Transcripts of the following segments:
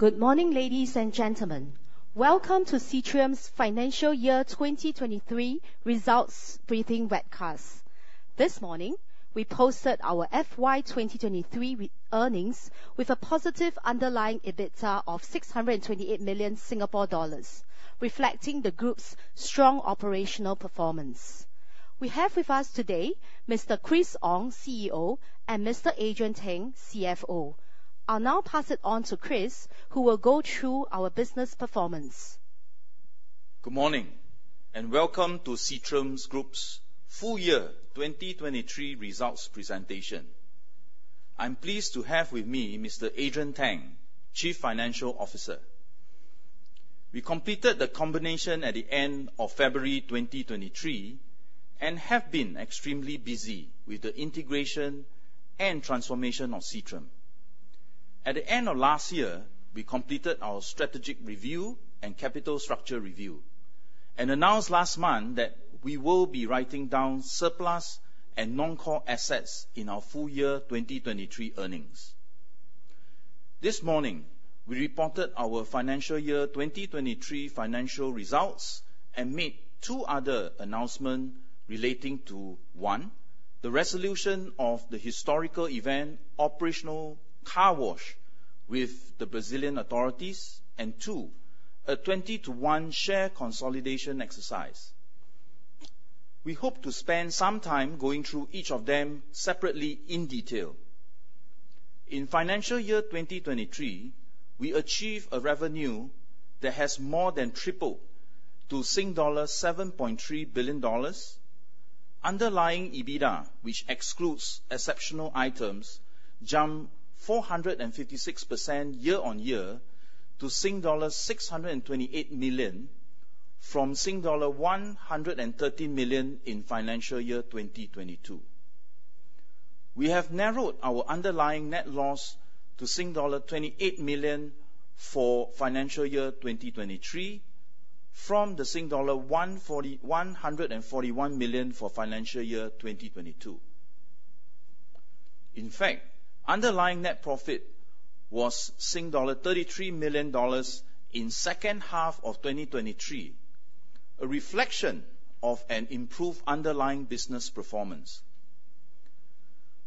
Good morning, ladies and gentlemen. Welcome to Seatrium's Financial Year 2023 results briefing webcast. This morning, we posted our FY 2023 earnings with a positive underlying EBITDA of 628 million Singapore dollars, reflecting the Group's strong operational performance. We have with us today Mr. Chris Ong, CEO, and Mr. Adrian Teng, CFO. I'll now pass it on to Chris, who will go through our business performance. Good morning, and welcome to Seatrium Group's full year 2023 results presentation. I'm pleased to have with me Mr. Adrian Teng, Chief Financial Officer. We completed the combination at the end of February 2023 and have been extremely busy with the integration and transformation of Seatrium. At the end of last year, we completed our strategic review and capital structure review, and announced last month that we will be writing down surplus and non-core assets in our full year 2023 earnings. This morning, we reported our financial year 2023 financial results and made two other announcements relating to, one, the resolution of the historical event Operation Car Wash with the Brazilian authorities, and two, a 20-to-1 share consolidation exercise. We hope to spend some time going through each of them separately in detail. In financial year 2023, we achieved a revenue that has more than tripled to 7.3 billion dollars. Underlying EBITDA, which excludes exceptional items, jumped 456% year-on-year to Sing dollar 628 million from Sing dollar 113 million in financial year 2022. We have narrowed our underlying net loss to Sing dollar 28 million for financial year 2023 from Sing dollar 141 million for financial year 2022. In fact, underlying net profit was 33 million dollars in second half of 2023, a reflection of an improved underlying business performance.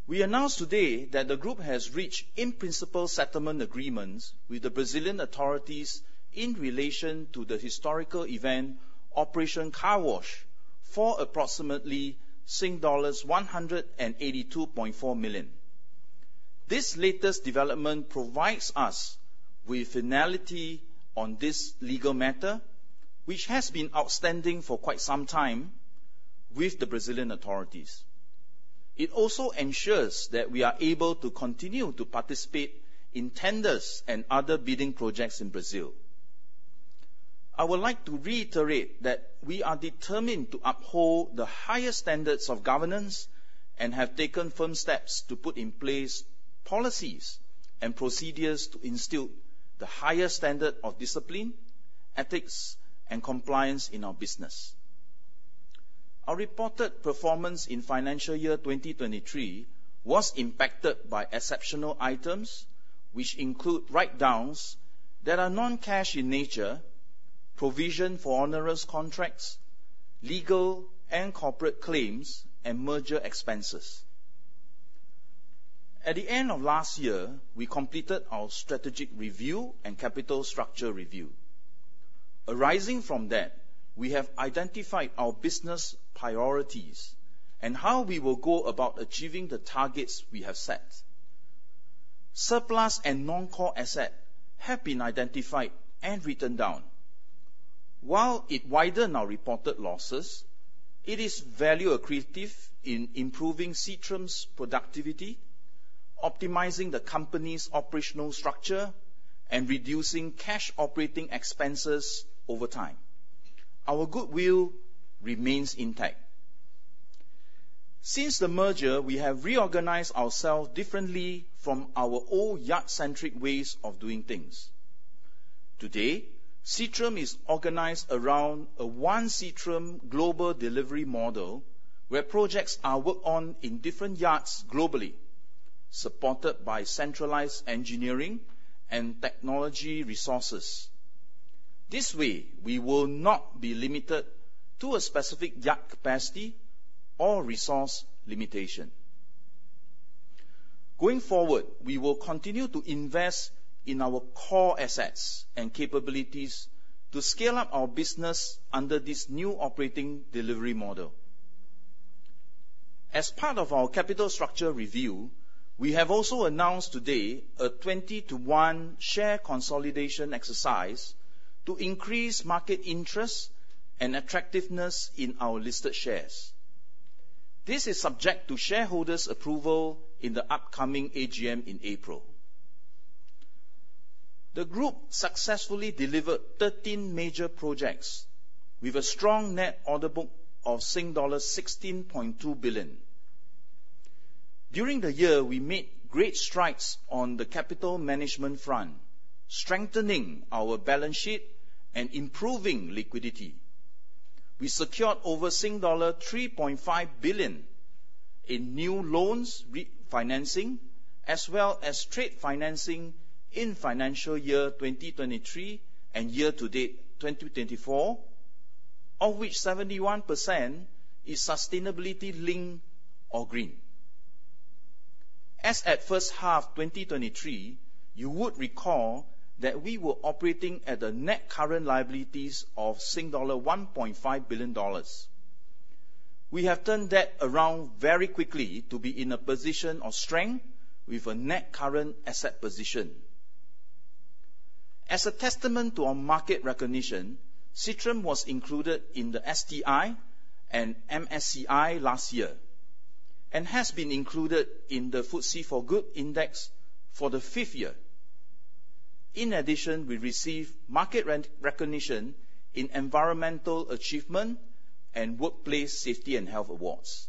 We announced today that the group has reached in-principle settlement agreements with the Brazilian authorities in relation to the historical event, Operation Car Wash, for approximately Sing dollars 182.4 million. This latest development provides us with finality on this legal matter, which has been outstanding for quite some time with the Brazilian authorities. It also ensures that we are able to continue to participate in tenders and other bidding projects in Brazil. I would like to reiterate that we are determined to uphold the highest standards of governance and have taken firm steps to put in place policies and procedures to instill the highest standard of discipline, ethics, and compliance in our business. Our reported performance in financial year 2023 was impacted by exceptional items, which include write-downs that are non-cash in nature, provision for onerous contracts, legal and corporate claims, and merger expenses. At the end of last year, we completed our strategic review and capital structure review. Arising from that, we have identified our business priorities and how we will go about achieving the targets we have set. Surplus and non-core asset have been identified and written down. While it widen our reported losses, it is value accretive in improving Seatrium's productivity, optimizing the company's operational structure, and reducing cash operating expenses over time. Our goodwill remains intact. Since the merger, we have reorganized ourselves differently from our old yard-centric ways of doing things. Today, Seatrium is organized around a One Seatrium Global Delivery Model, where projects are worked on in different yards globally, supported by centralized engineering and technology resources. This way, we will not be limited to a specific yard capacity or resource limitation. Going forward, we will continue to invest in our core assets and capabilities to scale up our business under this new operating delivery model. As part of our capital structure review, we have also announced today a 20-to-1 share consolidation exercise to increase market interest and attractiveness in our listed shares. This is subject to shareholders' approval in the upcoming AGM in April. The group successfully delivered 13 major projects with a strong net order book of dollars 16.2 billion. During the year, we made great strides on the capital management front, strengthening our balance sheet and improving liquidity.... We secured over dollar 3.5 billion in new loans, refinancing, as well as trade financing in financial year 2023 and year-to-date 2024, of which 71% is sustainability linked or green. As at first half 2023, you would recall that we were operating at a net current liabilities of 1.5 billion dollars. We have turned that around very quickly to be in a position of strength with a net current asset position. As a testament to our market recognition, Seatrium was included in the STI and MSCI last year, and has been included in the FTSE4Good Index for the fifth year. In addition, we received market recognition in environmental achievement and workplace safety and health awards.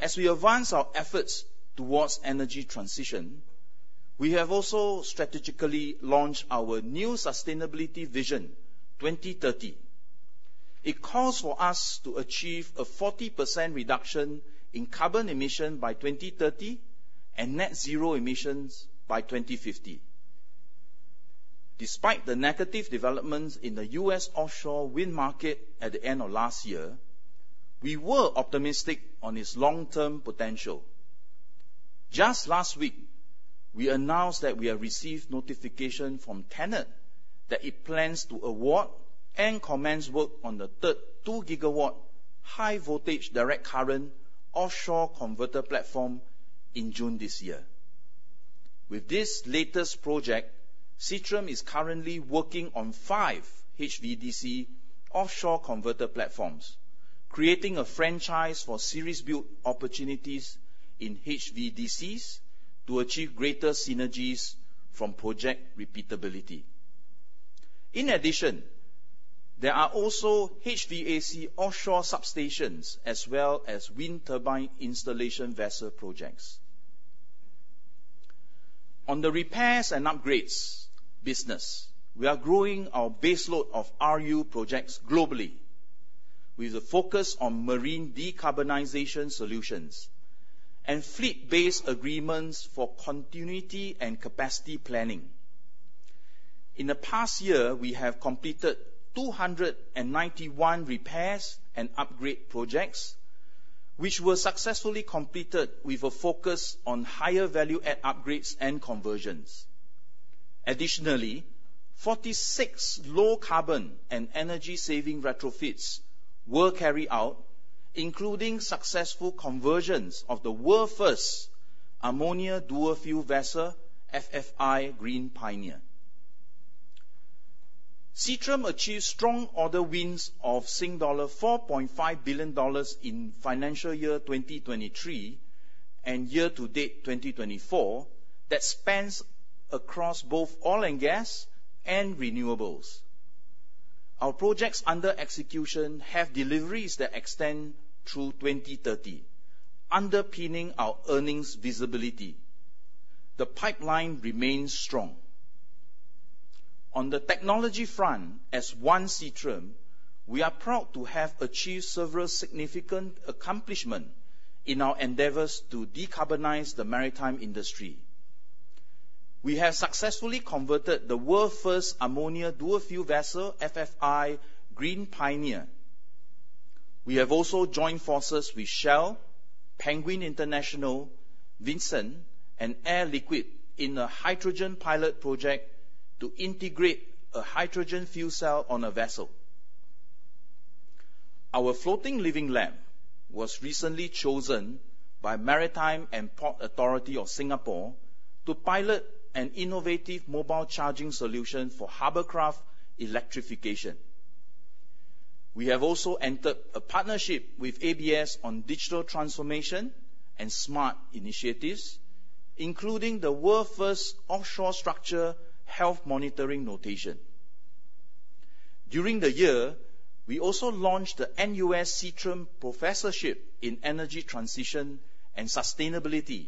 As we advance our efforts towards energy transition, we have also strategically launched our new Sustainability Vision 2030. It calls for us to achieve a 40% reduction in carbon emission by 2030, and net zero emissions by 2050. Despite the negative developments in the U.S. offshore wind market at the end of last year, we were optimistic on its long-term potential. Just last week, we announced that we have received notification from TenneT that it plans to award and commence work on the third 2-gigawatt high voltage direct current offshore converter platform in June this year. With this latest project, Seatrium is currently working on 5 HVDC offshore converter platforms, creating a franchise for series build opportunities in HVDCs to achieve greater synergies from project repeatability. In addition, there are also HVAC offshore substations, as well as wind turbine installation vessel projects. On the repairs and upgrades business, we are growing our baseload of RU projects globally, with a focus on marine decarbonization solutions and fleet-based agreements for continuity and capacity planning. In the past year, we have completed 291 repairs and upgrades projects, which were successfully completed with a focus on higher value add upgrades and conversions. Additionally, 46 low carbon and energy-saving retrofits were carried out, including successful conversions of the world's first ammonia dual fuel vessel, Fortescue Green Pioneer. Seatrium achieved strong order wins of Sing dollar 4.5 billion in financial year 2023 and year-to-date 2024, that spans across both oil and gas and renewables. Our projects under execution have deliveries that extend through 2030, underpinning our earnings visibility. The pipeline remains strong. On the technology front, as one Seatrium, we are proud to have achieved several significant accomplishment in our endeavors to decarbonize the maritime industry. We have successfully converted the world's first ammonia dual-fuel vessel, Fortescue Green Pioneer. We have also joined forces with Shell, Penguin International, Vinci, and Air Liquide in a hydrogen pilot project to integrate a hydrogen fuel cell on a vessel. Our floating living lab was recently chosen by Maritime and Port Authority of Singapore to pilot an innovative mobile charging solution for harbor craft electrification. We have also entered a partnership with ABS on digital transformation and smart initiatives, including the world's first offshore structure health monitoring notation. During the year, we also launched the NUS-Seatrium Professorship in Energy Transition and Sustainability,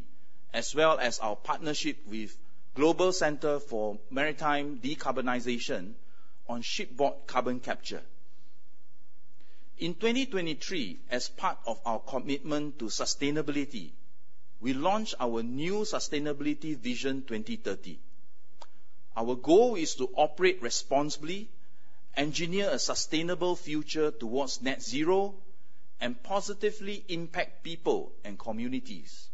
as well as our partnership with Global Centre for Maritime Decarbonisation on shipboard carbon capture. In 2023, as part of our commitment to sustainability, we launched our new Sustainability Vision 2030. Our goal is to operate responsibly, engineer a sustainable future towards net zero, and positively impact people and communities.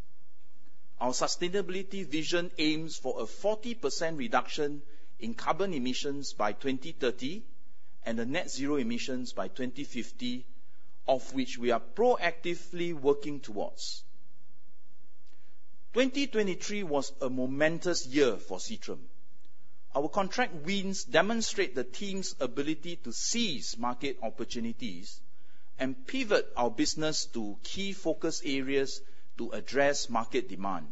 Our sustainability vision aims for a 40% reduction in carbon emissions by 2030, and a net zero emissions by 2050, of which we are proactively working towards. 2023 was a momentous year for Seatrium. Our contract wins demonstrate the team's ability to seize market opportunities and pivot our business to key focus areas to address market demand.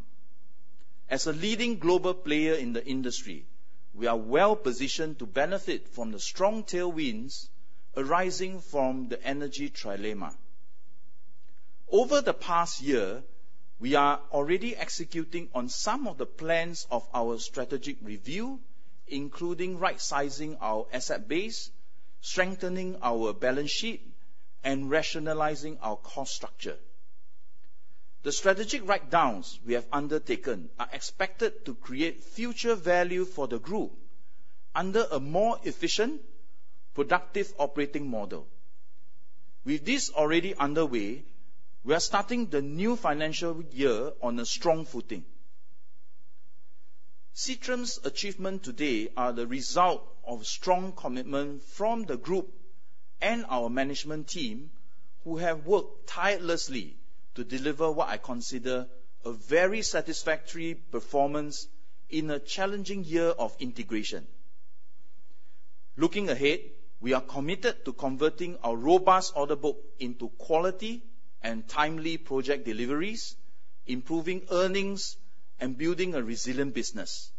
As a leading global player in the industry, we are well positioned to benefit from the strong tailwinds arising from the Energy Trilemma... Over the past year, we are already executing on some of the plans of our strategic review, including right-sizing our asset base, strengthening our balance sheet, and rationalizing our cost structure. The strategic writedowns we have undertaken are expected to create future value for the group under a more efficient, productive operating model. With this already underway, we are starting the new financial year on a strong footing. Seatrium's achievement today are the result of strong commitment from the group and our management team, who have worked tirelessly to deliver what I consider a very satisfactory performance in a challenging year of integration. Looking ahead, we are committed to converting our robust order book into quality and timely project deliveries, improving earnings, and building a resilient business.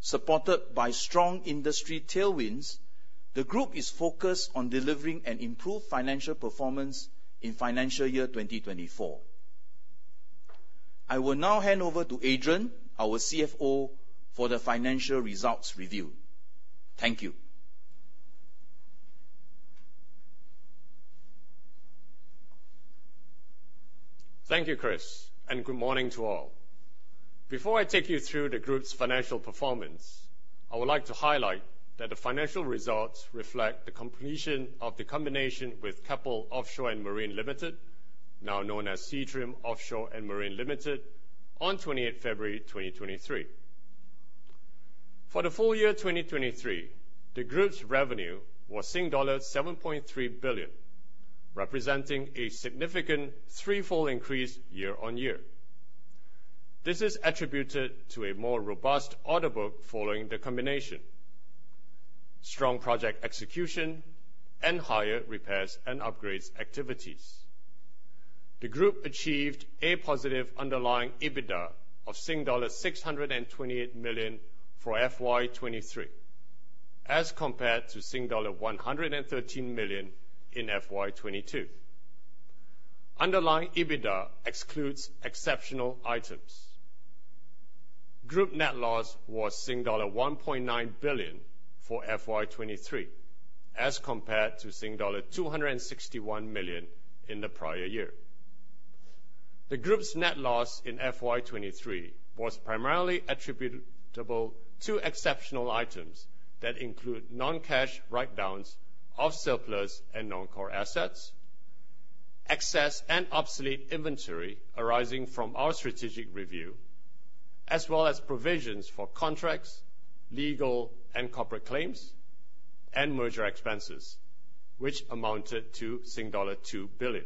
Supported by strong industry tailwinds, the group is focused on delivering an improved financial performance in financial year 2024. I will now hand over to Adrian, our CFO, for the financial results review. Thank you. Thank you, Chris, and good morning to all. Before I take you through the group's financial performance, I would like to highlight that the financial results reflect the completion of the combination with Keppel Offshore & Marine Limited, now known as Seatrium Offshore & Marine Limited, on 20th February 2023. For the full year 2023, the group's revenue was dollars 7.3 billion, representing a significant threefold increase year-on-year. This is attributed to a more robust order book following the combination, strong project execution, and higher repairs and upgrades activities. The group achieved a positive underlying EBITDA of Sing dollar 628 million for FY 2023, as compared to Sing dollar 113 million in FY 2022. Underlying EBITDA excludes exceptional items. Group net loss was dollar 1.9 billion for FY 2023, as compared to dollar 261 million in the prior year. The group's net loss in FY 2023 was primarily attributable to exceptional items that include non-cash writedowns of surplus and non-core assets, excess and obsolete inventory arising from our strategic review, as well as provisions for contracts, legal and corporate claims, and merger expenses, which amounted to Sing dollar 2 billion.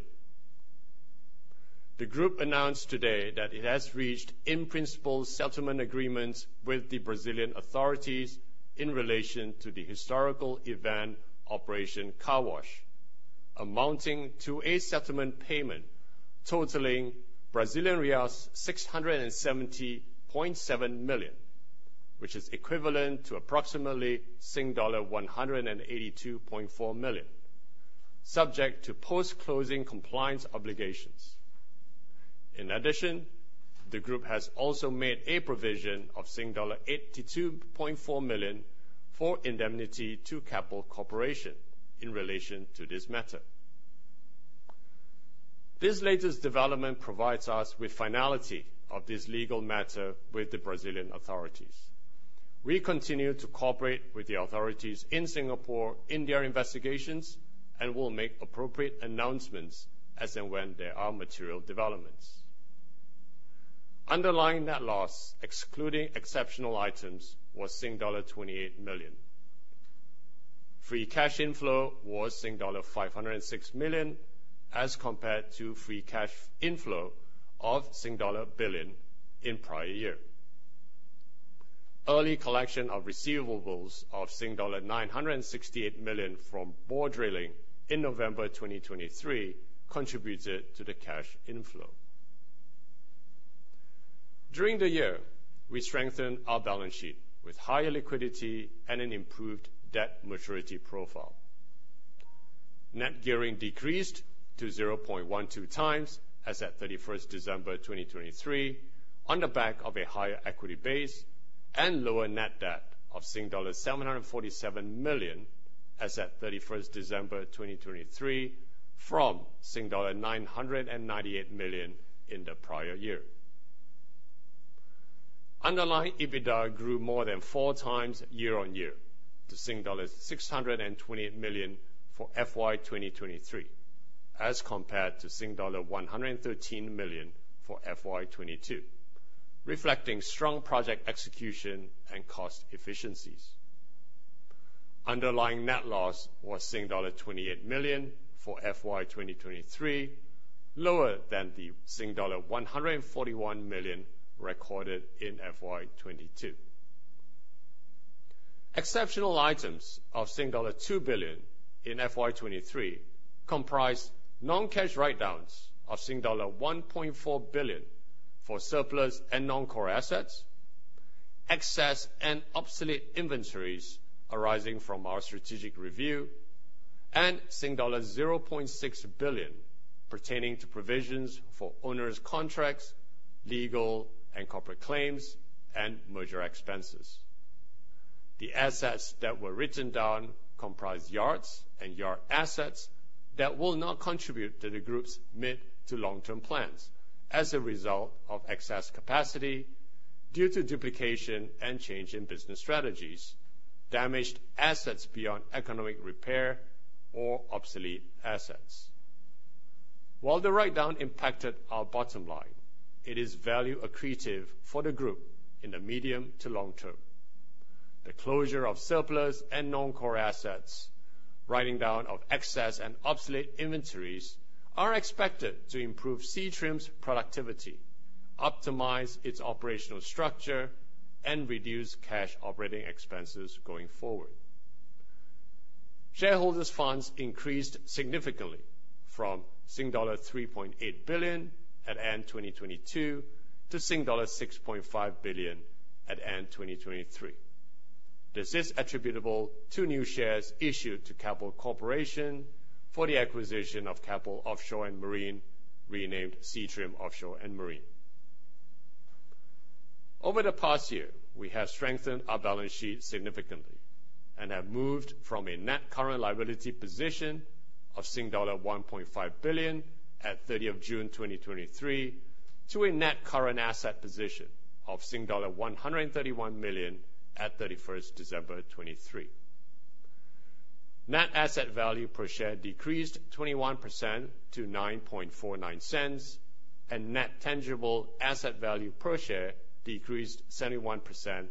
The group announced today that it has reached in-principle settlement agreements with the Brazilian authorities in relation to the historical event Operation Car Wash, amounting to a settlement payment totaling BRL 670.7 million, which is equivalent to approximately SGD 182.4 million, subject to post-closing compliance obligations. In addition, the group has also made a provision of dollar 82.4 million for indemnity to Keppel Corporation in relation to this matter. This latest development provides us with finality of this legal matter with the Brazilian authorities. We continue to cooperate with the authorities in Singapore in their investigations and will make appropriate announcements as and when there are material developments. Underlying net loss, excluding exceptional items, was 28 million. Free cash inflow was 506 million, as compared to free cash inflow of 1 billion in prior year. Early collection of receivables of 968 million from Borr Drilling in November 2023 contributed to the cash inflow. During the year, we strengthened our balance sheet with higher liquidity and an improved debt maturity profile. Net gearing decreased to 0.12 times as at 31 December 2023, on the back of a higher equity base and lower net debt of SGD 747 million as at 31 December 2023, from SGD 998 million in the prior year. Underlying EBITDA grew more than 4 times year-on-year to Sing dollars 620 million for FY 2023, as compared to Sing dollar 113 million for FY 2022, reflecting strong project execution and cost efficiencies. Underlying net loss was dollar 28 million for FY 2023, lower than the dollar 141 million recorded in FY 2022. Exceptional items of SGD 2 billion in FY 2023 comprised non-cash writedowns of SGD 1.4 billion for surplus and non-core assets.... excess and obsolete inventories arising from our strategic review, and Sing dollar 0.6 billion pertaining to provisions for owners' contracts, legal and corporate claims, and merger expenses. The assets that were written down comprise yards and yard assets that will not contribute to the group's mid-to-long-term plans as a result of excess capacity due to duplication and change in business strategies, damaged assets beyond economic repair, or obsolete assets. While the write-down impacted our bottom line, it is value accretive for the group in the medium to long term. The closure of surplus and non-core assets, writing down of excess and obsolete inventories, are expected to improve Seatrium's productivity, optimize its operational structure, and reduce cash operating expenses going forward. Shareholders' funds increased significantly from Sing dollar 3.8 billion at end 2022 to Sing dollar 6.5 billion at end 2023. This is attributable to new shares issued to Keppel Corporation for the acquisition of Keppel Offshore & Marine, renamed Seatrium Offshore & Marine. Over the past year, we have strengthened our balance sheet significantly and have moved from a net current liability position of SGD 1.5 billion at 30th of June 2023, to a net current asset position of dollar 131 million at 31st December 2023. Net asset value per share decreased 21% to 0.0949, and net tangible asset value per share decreased 71%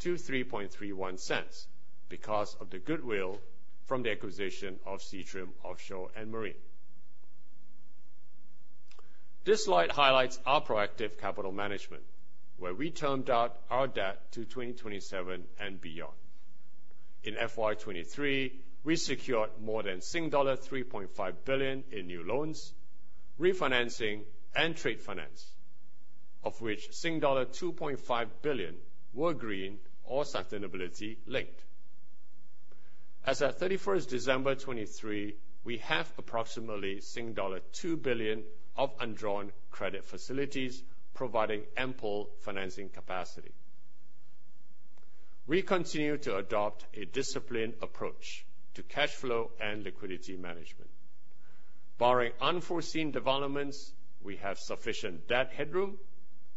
to 0.0331 because of the goodwill from the acquisition of Seatrium Offshore & Marine. This slide highlights our proactive capital management, where we termed out our debt to 2027 and beyond. In FY 2023, we secured more than SGD 3.5 billion in new loans, refinancing, and trade finance, of which Sing dollar 2.5 billion were green or sustainability-linked. As at 31st December 2023, we have approximately Sing dollar 2 billion of undrawn credit facilities, providing ample financing capacity. We continue to adopt a disciplined approach to cash flow and liquidity management. Barring unforeseen developments, we have sufficient debt headroom,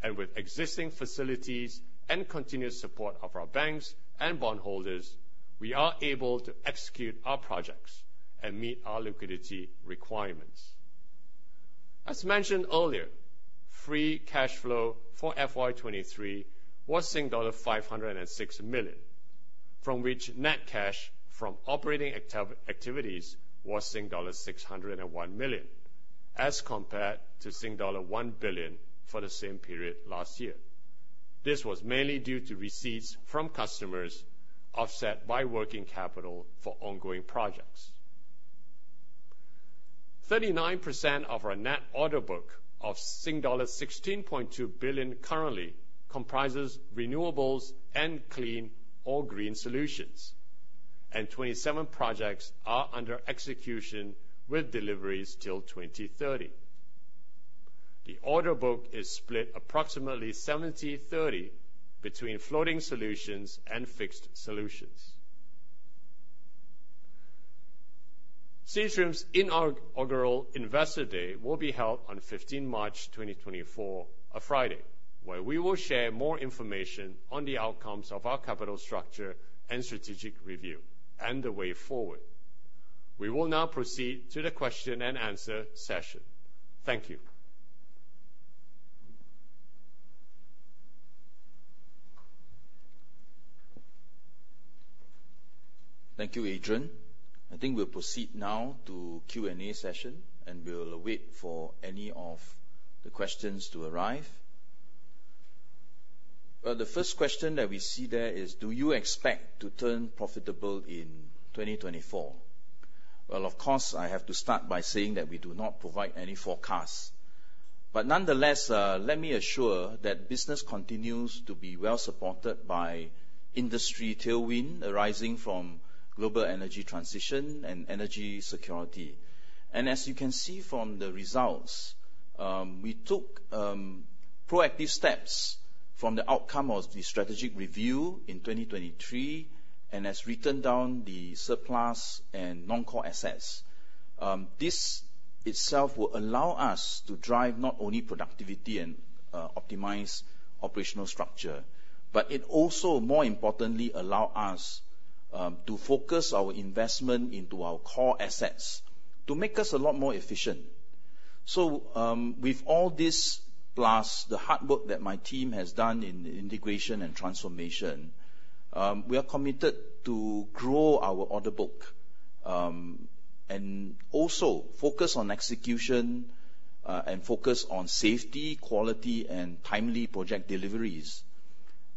and with existing facilities and continued support of our banks and bondholders, we are able to execute our projects and meet our liquidity requirements. As mentioned earlier, free cash flow for FY 2023 was dollar 506 million, from which net cash from operating activities was dollar 601 million, as compared to dollar 1 billion for the same period last year. This was mainly due to receipts from customers, offset by working capital for ongoing projects. 39% of our net order book of 16.2 billion currently comprises renewables and clean or green solutions, and 27 projects are under execution with deliveries till 2030. The order book is split approximately 70/30 between floating solutions and fixed solutions. Seatrium's inaugural Investor Day will be held on 15 March 2024, a Friday, where we will share more information on the outcomes of our capital structure and strategic review and the way forward. We will now proceed to the question-and-answer session. Thank you. Thank you, Adrian. I think we'll proceed now to Q&A session, and we'll wait for any of the questions to arrive. Well, the first question that we see there is: Do you expect to turn profitable in 2024? Well, of course, I have to start by saying that we do not provide any forecast. But nonetheless, let me assure that business continues to be well-supported by industry tailwind arising from global energy transition and energy security. And as you can see from the results, we took proactive steps from the outcome of the strategic review in 2023, and has written down the surplus and non-core assets. This itself will allow us to drive not only productivity and optimize operational structure, but it also, more importantly, allow us to focus our investment into our core assets to make us a lot more efficient. So, with all this, plus the hard work that my team has done in integration and transformation, we are committed to grow our order book, and also focus on execution, and focus on safety, quality, and timely project deliveries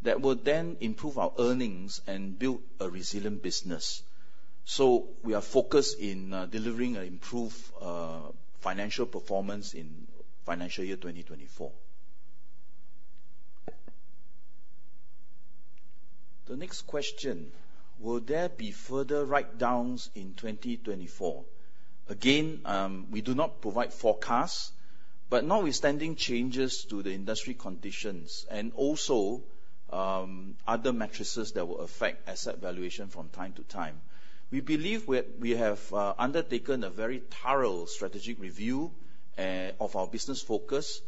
that will then improve our earnings and build a resilient business. So we are focused in delivering an improved financial performance in financial year 2024. The next question: Will there be further write-downs in 2024? Again, we do not provide forecasts, but notwithstanding changes to the industry conditions, and also other metrics that will affect asset valuation from time to time, we believe we have undertaken a very thorough strategic review of our business focus.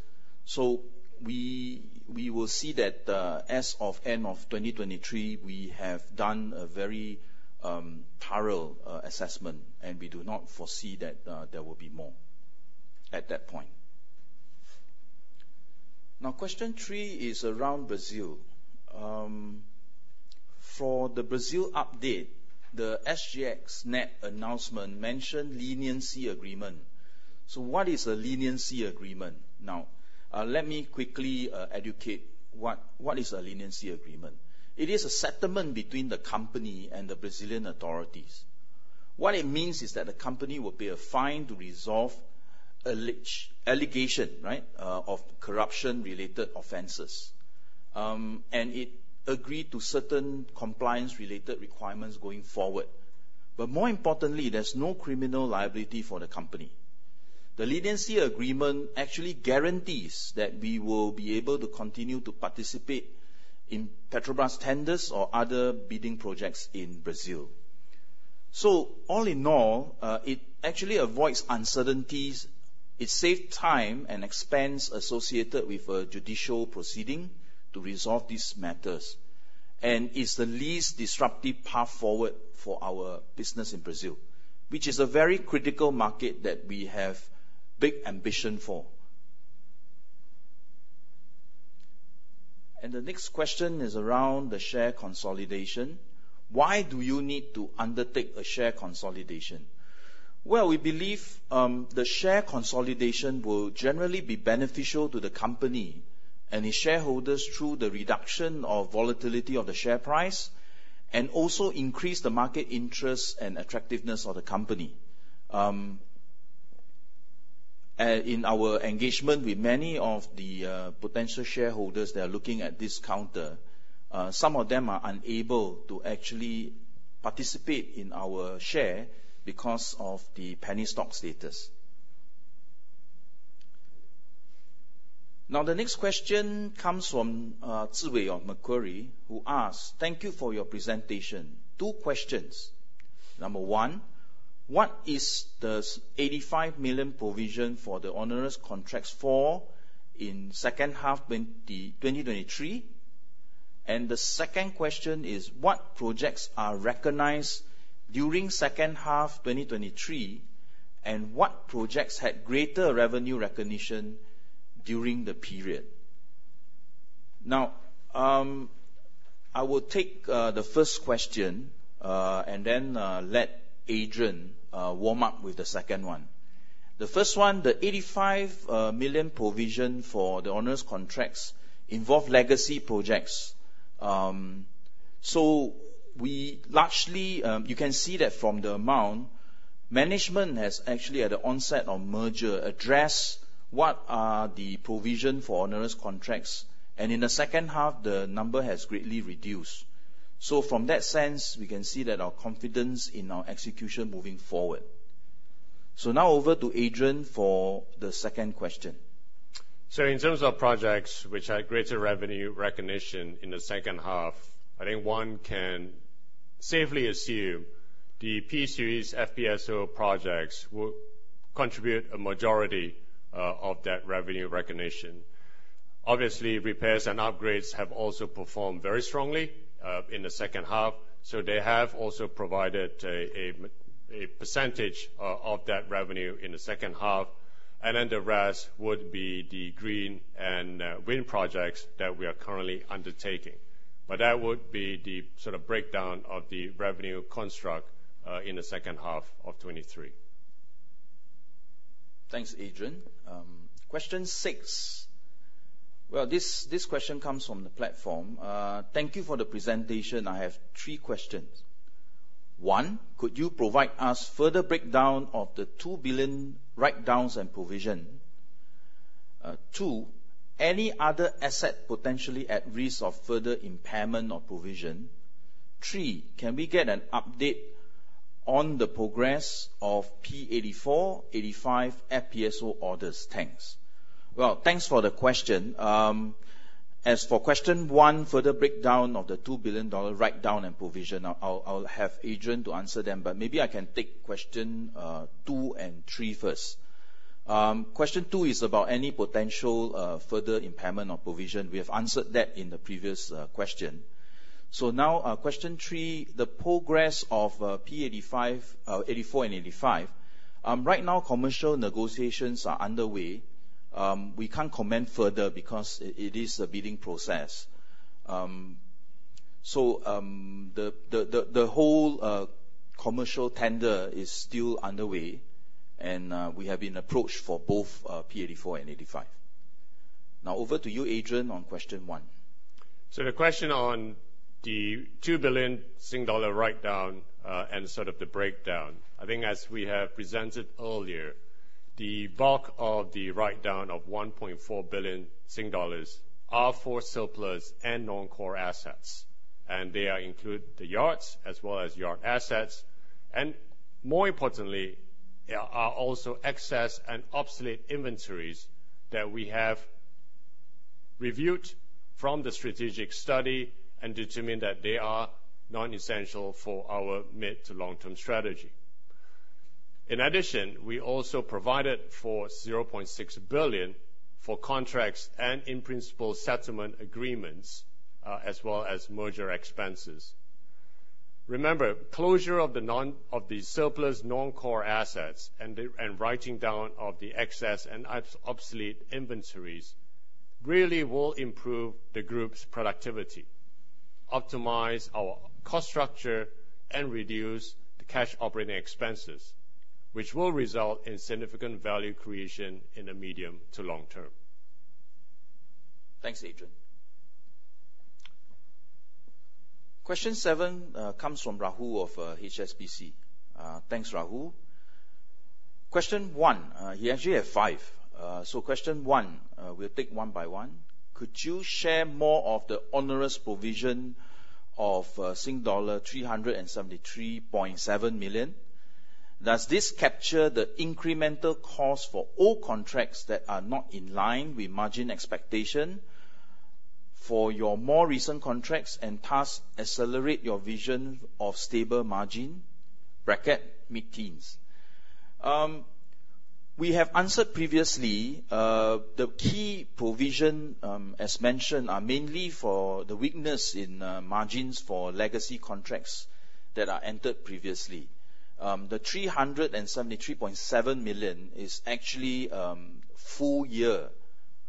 So we will see that, as of end of 2023, we have done a very thorough assessment, and we do not foresee that there will be more at that point. Now, question three is around Brazil. For the Brazil update, the SGXNET announcement mentioned leniency agreement. So what is a leniency agreement? Now, let me quickly educate what is a leniency agreement. It is a settlement between the company and the Brazilian authorities. What it means is that the company will pay a fine to resolve allegation, right, of corruption-related offenses. And it agreed to certain compliance-related requirements going forward, but more importantly, there's no criminal liability for the company. The leniency agreement actually guarantees that we will be able to continue to participate in Petrobras tenders or other bidding projects in Brazil. So all in all, it actually avoids uncertainties, it saves time and expense associated with a judicial proceeding to resolve these matters, and is the least disruptive path forward for our business in Brazil, which is a very critical market that we have big ambition for. The next question is around the share consolidation. Why do you need to undertake a share consolidation? Well, we believe the share consolidation will generally be beneficial to the company and its shareholders through the reduction of volatility of the share price, and also increase the market interest and attractiveness of the company. In our engagement with many of the potential shareholders that are looking at this counter, some of them are unable to actually participate in our share because of the penny stock status. Now, the next question comes from Zhiwei of Macquarie, who asks: "Thank you for your presentation. Two questions. Number one, what is the 85 million provision for the onerous contracts for in second half 2023? And the second question is, what projects are recognized during second half 2023, and what projects had greater revenue recognition during the period?" Now, I will take the first question, and then let Adrian warm up with the second one. The first one, the 85 million provision for the onerous contracts involve legacy projects. So we largely, you can see that from the amount, management has actually, at the onset of merger, addressed what are the provision for onerous contracts, and in the second half, the number has greatly reduced. From that sense, we can see that our confidence in our execution moving forward. Now over to Adrian for the second question. So in terms of projects which had greater revenue recognition in the second half, I think one can safely assume the P-series FPSO projects will contribute a majority of that revenue recognition. Obviously, repairs and upgrades have also performed very strongly in the second half, so they have also provided a percentage of that revenue in the second half, and then the rest would be the green and wind projects that we are currently undertaking. But that would be the sort of breakdown of the revenue construct in the second half of 2023. Thanks, Adrian. Question six. Well, this question comes from the platform: "Thank you for the presentation. I have three questions. One, could you provide us further breakdown of the $2 billion write-downs and provision? Two, any other asset potentially at risk of further impairment or provision? Three, can we get an update on the progress of P84, P85 FPSO orders? Thanks." Well, thanks for the question. As for question one, further breakdown of the $2 billion write-down and provision, I'll have Adrian to answer them, but maybe I can take question two and three first. Question two is about any potential further impairment or provision. We have answered that in the previous question. So now, question three, the progress of P85, P84 and P85. Right now, commercial negotiations are underway. We can't comment further because it is a bidding process. The whole commercial tender is still underway, and we have been approached for both P84 and P85. Now over to you, Adrian, on question one. So the question on the 2 billion Sing dollar write-down, and sort of the breakdown. I think as we have presented earlier, the bulk of the write-down of 1.4 billion dollars are for surplus and non-core assets, and they include the yards as well as yard assets. And more importantly, there are also excess and obsolete inventories that we have reviewed from the strategic study and determined that they are non-essential for our mid to long-term strategy. In addition, we also provided for SGD 0.6 billion for contracts and in-principle settlement agreements, as well as merger expenses. Remember, closure of the surplus non-core assets and the writing down of the excess and obsolete inventories really will improve the group's productivity, optimize our cost structure, and reduce the cash operating expenses, which will result in significant value creation in the medium to long term. Thanks, Adrian. Question 7 comes from Rahul of HSBC. Thanks, Rahul. Question one, he actually have five. So question one, we'll take one by one. Could you share more of the onerous provision of Sing dollar 373.7 million? Does this capture the incremental cost for all contracts that are not in line with margin expectation for your more recent contracts and thus accelerate your vision of stable margin (mid-teens)? We have answered previously, the key provision, as mentioned, are mainly for the weakness in margins for legacy contracts that are entered previously. The 373.7 million is actually full year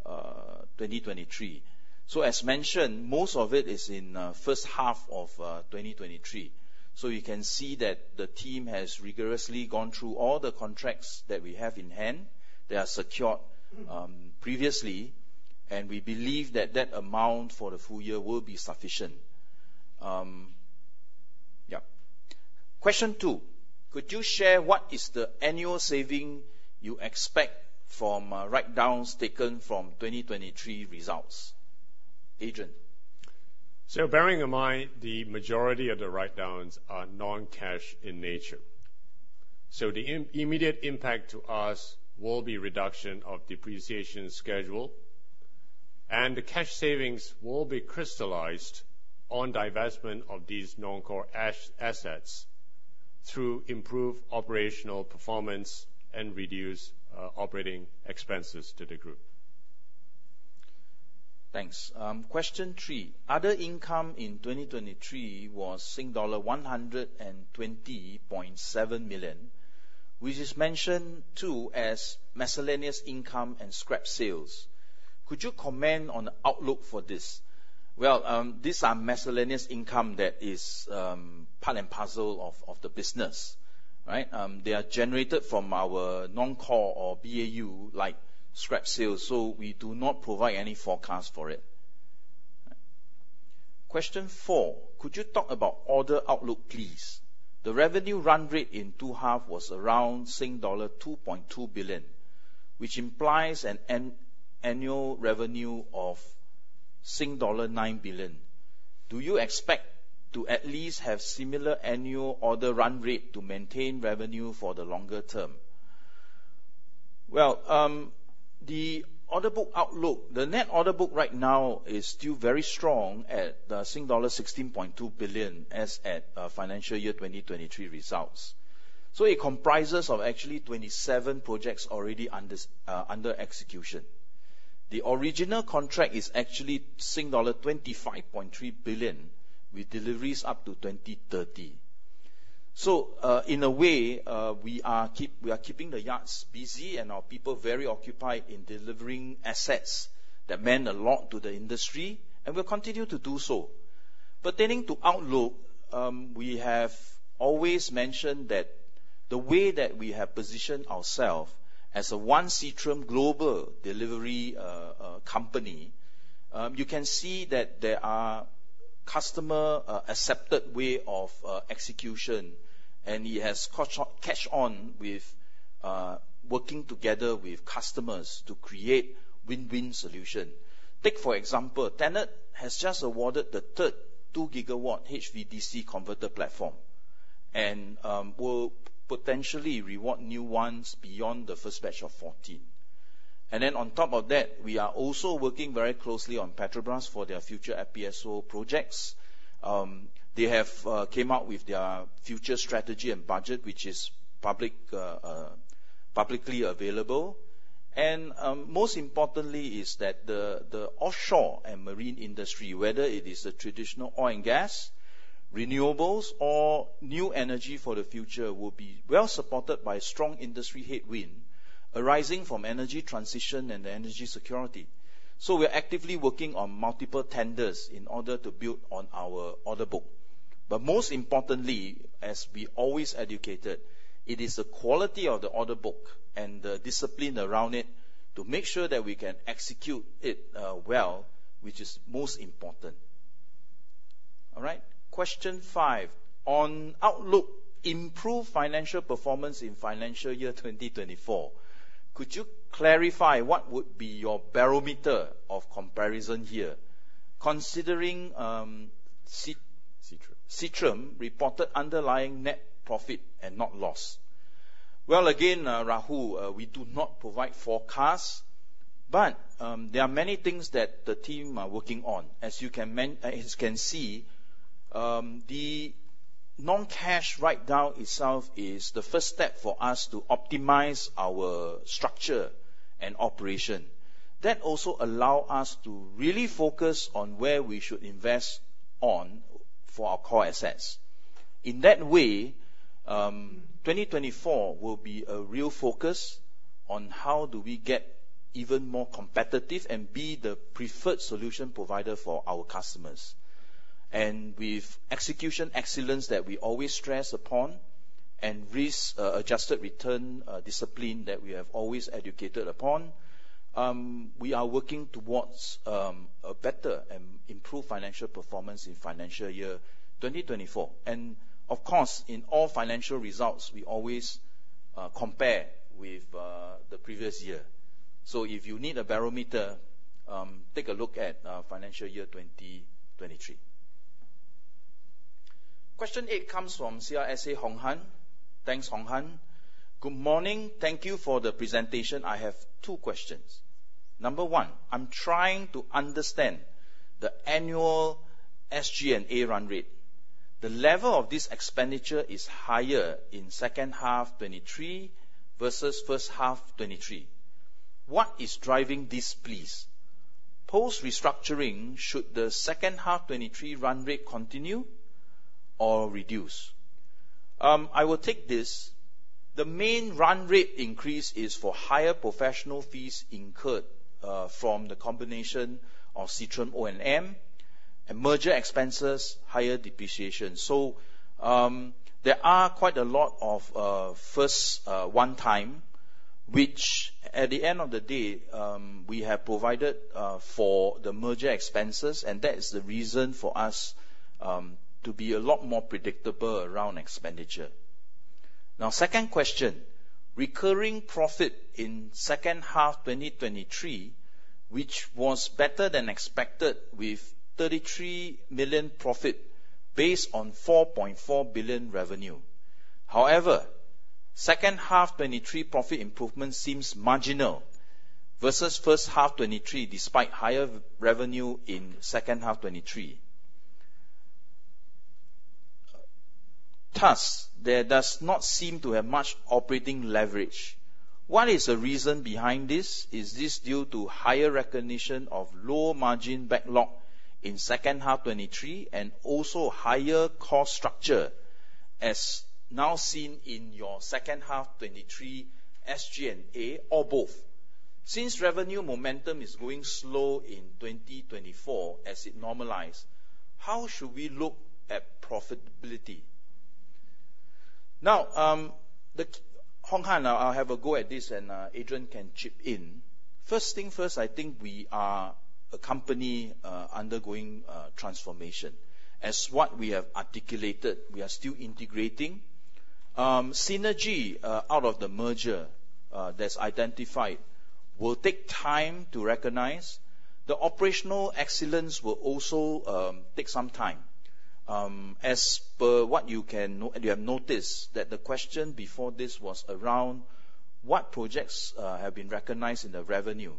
2023. So as mentioned, most of it is in first half of 2023. So you can see that the team has rigorously gone through all the contracts that we have in hand, they are secured, previously, and we believe that that amount for the full year will be sufficient. Yep. Question two: Could you share what is the annual saving you expect from write-downs taken from 2023 results? Adrian. So bearing in mind, the majority of the write-downs are non-cash in nature. So the immediate impact to us will be reduction of depreciation schedule, and the cash savings will be crystallized on divestment of these non-core assets through improved operational performance and reduced operating expenses to the group. Thanks. Question three: Other income in 2023 was SGD 120.7 million, which is mentioned, too, as miscellaneous income and scrap sales. Could you comment on the outlook for this? Well, these are miscellaneous income that is, part and parcel of, of the business, right? They are generated from our non-core or BAU, like scrap sales, so we do not provide any forecast for it. Question four: Could you talk about order outlook, please? The revenue run rate in 2H was around Sing dollar 2.2 billion, which implies an annual revenue of Sing dollar 9 billion. Do you expect to at least have similar annual order run rate to maintain revenue for the longer term? Well, the order book outlook, the net order book right now is still very strong at Sing dollar 16.2 billion as at financial year 2023 results. So it comprises of actually 27 projects already under execution. The original contract is actually dollar 25.3 billion, with deliveries up to 2030. So, in a way, we are keeping the yards busy and our people very occupied in delivering assets that mean a lot to the industry, and will continue to do so. Pertaining to outlook, we have always mentioned that the way that we have positioned ourselves as a one Seatrium global delivery company, you can see that there are customer accepted way of execution, and it has caught on with working together with customers to create win-win solution. Take, for example, TenneT has just awarded the third 2-gigawatt HVDC converter platform, and will potentially award new ones beyond the first batch of 14. And then on top of that, we are also working very closely on Petrobras for their future FPSO projects. They have came out with their future strategy and budget, which is public, publicly available. Most importantly is that the offshore and marine industry, whether it is the traditional oil and gas, renewables, or new energy for the future, will be well-supported by strong industry headwind arising from energy transition and the energy security. So we're actively working on multiple tenders in order to build on our order book. But most importantly, as we always educated, it is the quality of the order book and the discipline around it to make sure that we can execute it well, which is most important. All right? Question five: on outlook, improved financial performance in financial year 2024, could you clarify what would be your barometer of comparison here, considering Seatrium. Sitram. Seatrium reported underlying net profit and not loss? Well, again, Rahul, we do not provide forecasts, but, there are many things that the team are working on. As you can see, the non-cash write-down itself is the first step for us to optimize our structure and operation. That also allow us to really focus on where we should invest on for our core assets. In that way, 2024 will be a real focus on how do we get even more competitive and be the preferred solution provider for our customers. And with execution excellence that we always stress upon, and risk adjusted return discipline that we have always educated upon, we are working towards a better and improved financial performance in financial year 2024. Of course, in all financial results, we always, compare with, the previous year. So if you need a barometer, take a look at, financial year 2023. Question eight comes from CGS-CIMB, Hong Han. Thanks, Hong Han. Good morning. Thank you for the presentation. I have two questions. Number one, I'm trying to understand the annual SG&A run rate. The level of this expenditure is higher in second half 2023 versus first half 2023. What is driving this, please? Post-restructuring, should the second half 2023 run rate continue or reduce? I will take this. The main run rate increase is for higher professional fees incurred, from the combination of Seatrium O&M, and merger expenses, higher depreciation. So, there are quite a lot of first one time, which at the end of the day, we have provided for the merger expenses, and that is the reason for us to be a lot more predictable around expenditure. Now, second question. Recurring profit in second half 2023, which was better than expected, with 33 million profit based on 4.4 billion revenue. However, second half 2023 profit improvement seems marginal versus first half 2023, despite higher revenue in second half 2023. Thus, there does not seem to have much operating leverage. What is the reason behind this? Is this due to higher recognition of lower margin backlog in second half 2023, and also higher cost structure, as now seen in your second half 2023 SG&A, or both? Since revenue momentum is going slow in 2024, as it normalize, how should we look at profitability? Now, Hong Han, I'll have a go at this, and Adrian can chip in. First thing first, I think we are a company undergoing transformation. As what we have articulated, we are still integrating. Synergy out of the merger that's identified will take time to recognize. The operational excellence will also take some time. As per what you have noticed, that the question before this was around what projects have been recognized in the revenue?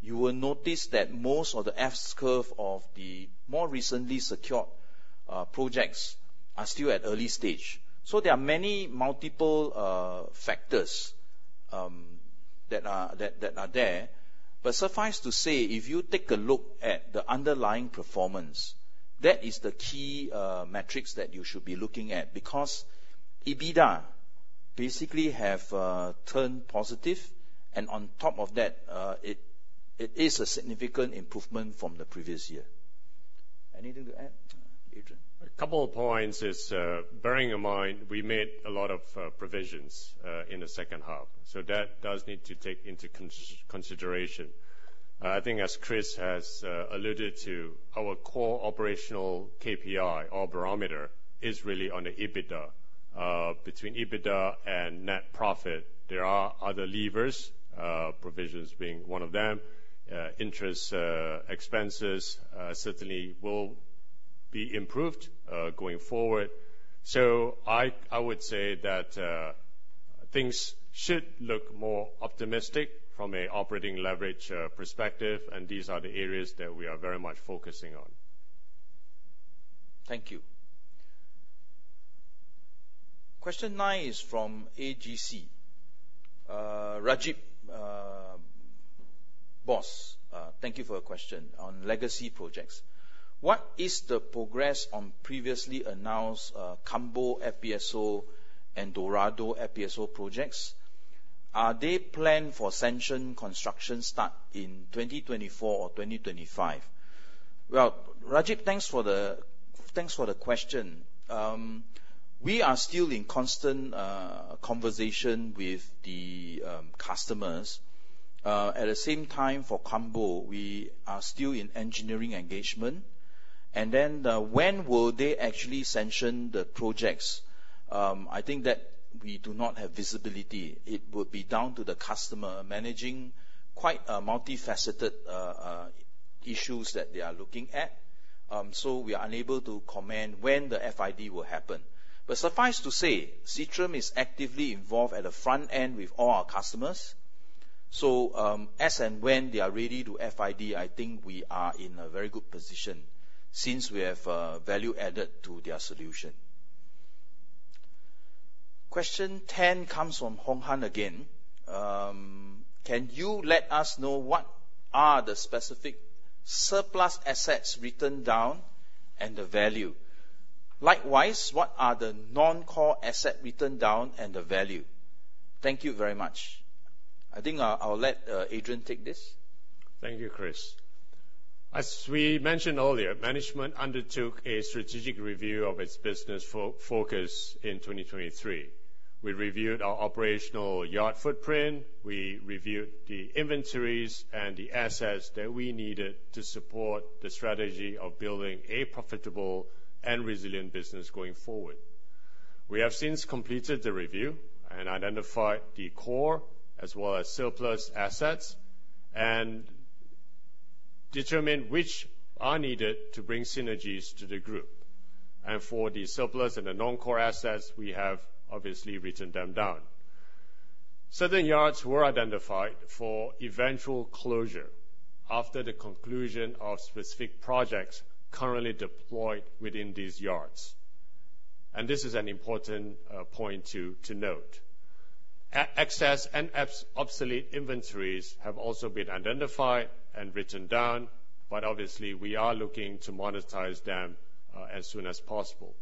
You will notice that most of the S Curve of the more recently secured projects are still at early stage. So there are many multiple factors that are there. But suffice to say, if you take a look at the underlying performance, that is the key metrics that you should be looking at, because EBITDA basically have turned positive, and on top of that, it is a significant improvement from the previous year. Anything to add, Adrian? A couple of points is, bearing in mind, we made a lot of provisions in the second half, so that does need to take into consideration. I think, as Chris has alluded to, our core operational KPI, or barometer, is really on the EBITDA. Between EBITDA and net profit, there are other levers, provisions being one of them. Interest expenses certainly will be improved going forward. So I, I would say that things should look more optimistic from a operating leverage perspective, and these are the areas that we are very much focusing on. Thank you. Question nine is from AGC. Rajib Bose, thank you for your question on legacy projects. What is the progress on previously announced Cambo FPSO and Dorado FPSO projects? Are they planned for sanction construction start in 2024 or 2025? Well, Rajib, thanks for the question. We are still in constant conversation with the customers. At the same time, for Cambo, we are still in engineering engagement. And then when will they actually sanction the projects? I think that we do not have visibility. It would be down to the customer managing quite a multifaceted issues that they are looking at. So we are unable to comment when the FID will happen. But suffice to say, Seatrium is actively involved at the front end with all our customers. So, as and when they are ready to FID, I think we are in a very good position since we have value added to their solution. Question 10 comes from Hong Han again. Can you let us know what are the specific surplus assets written down and the value? Likewise, what are the non-core asset written down and the value? Thank you very much. I think I'll let Adrian take this. Thank you, Chris. As we mentioned earlier, management undertook a strategic review of its business focus in 2023. We reviewed our operational yard footprint, we reviewed the inventories and the assets that we needed to support the strategy of building a profitable and resilient business going forward. We have since completed the review and identified the core as well as surplus assets, and determined which are needed to bring synergies to the group. And for the surplus and the non-core assets, we have obviously written them down. Certain yards were identified for eventual closure after the conclusion of specific projects currently deployed within these yards, and this is an important point to note. Excess and obsolete inventories have also been identified and written down, but obviously, we are looking to monetize them as soon as possible.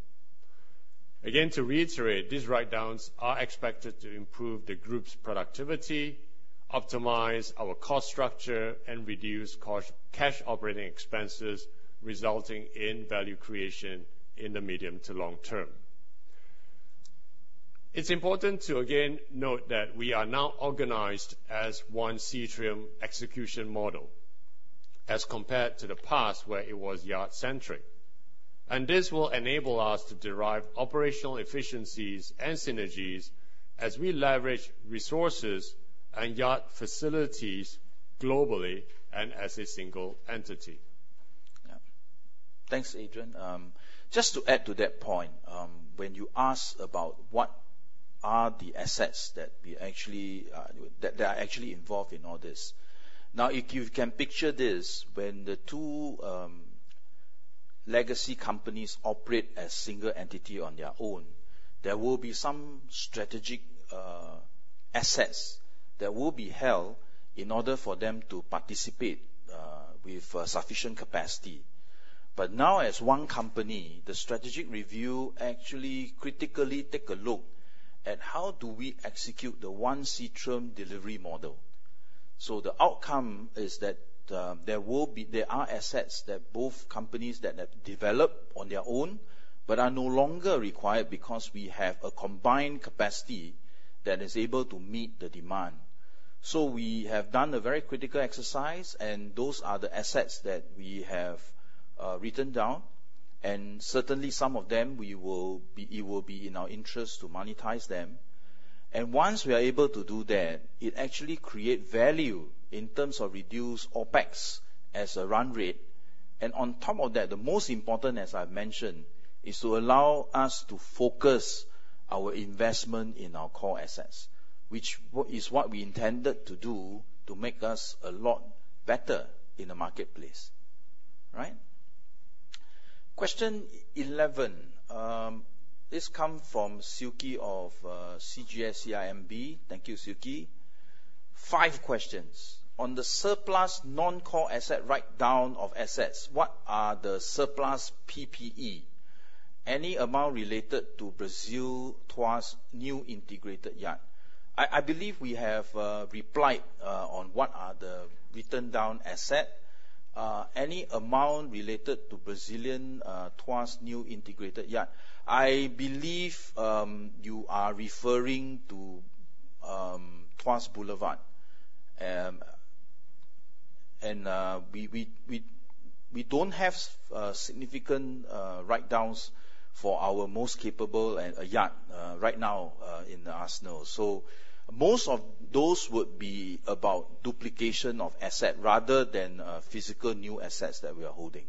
Again, to reiterate, these write-downs are expected to improve the group's productivity, optimize our cost structure, and reduce cost-cash operating expenses, resulting in value creation in the medium to long term. It's important to again note that we are now organized as one Seatrium execution model, as compared to the past, where it was yard-centric. This will enable us to derive operational efficiencies and synergies as we leverage resources and yard facilities globally and as a single entity. Yeah. Thanks, Adrian. Just to add to that point, when you ask about what are the assets that we actually, that are actually involved in all this? Now, if you can picture this, when the two legacy companies operate as single entity on their own, there will be some strategic assets that will be held in order for them to participate with sufficient capacity. But now, as one company, the strategic review actually critically take a look at how do we execute the one Seatrium delivery model. So the outcome is that, there are assets that both companies that have developed on their own but are no longer required because we have a combined capacity that is able to meet the demand. So we have done a very critical exercise, and those are the assets that we have, written down, and certainly, some of them, it will be in our interest to monetize them. And once we are able to do that, it actually create value in terms of reduced OpEx as a run rate. And on top of that, the most important, as I've mentioned, is to allow us to focus our investment in our core assets, which is what we intended to do to make us a lot better in the marketplace, right? Question eleven, this come from Siew Khee of, CGS-CIMB. Thank you, Siew Khee. Five questions. On the surplus non-core asset write-down of assets, what are the surplus PPE? Any amount related to Brazil, Tuas New Integrated Yard. I believe we have replied on what are the written down asset. Any amount related to Brazilian, Tuas New Integrated Yard, I believe, you are referring to, Tuas Boulevard. And we don't have significant write-downs for our most capable yard right now in the arsenal. So most of those would be about duplication of asset rather than physical new assets that we are holding.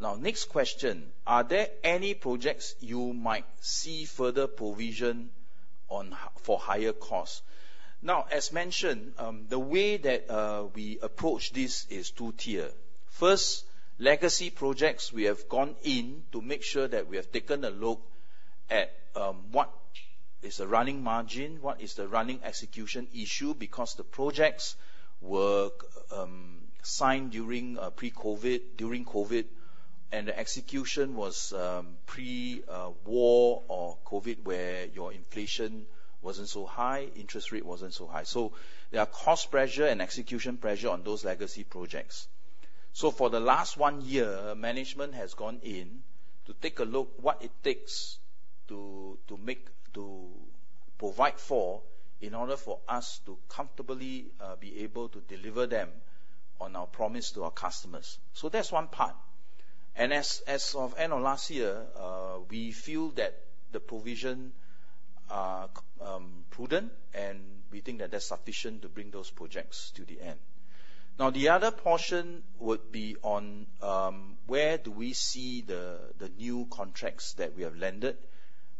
Now, next question: Are there any projects you might see further provision for higher costs? Now, as mentioned, the way that we approach this is two-tier. First, legacy projects, we have gone in to make sure that we have taken a look at what is the running margin, what is the running execution issue, because the projects were signed during pre-COVID, during COVID... and the execution was pre-war or COVID, where your inflation wasn't so high, interest rate wasn't so high. So there are cost pressure and execution pressure on those legacy projects. So for the last one year, management has gone in to take a look what it takes to provide for, in order for us to comfortably be able to deliver them on our promise to our customers. So that's one part, and as of end of last year, we feel that the provision are prudent, and we think that that's sufficient to bring those projects to the end. Now, the other portion would be on where do we see the new contracts that we have landed?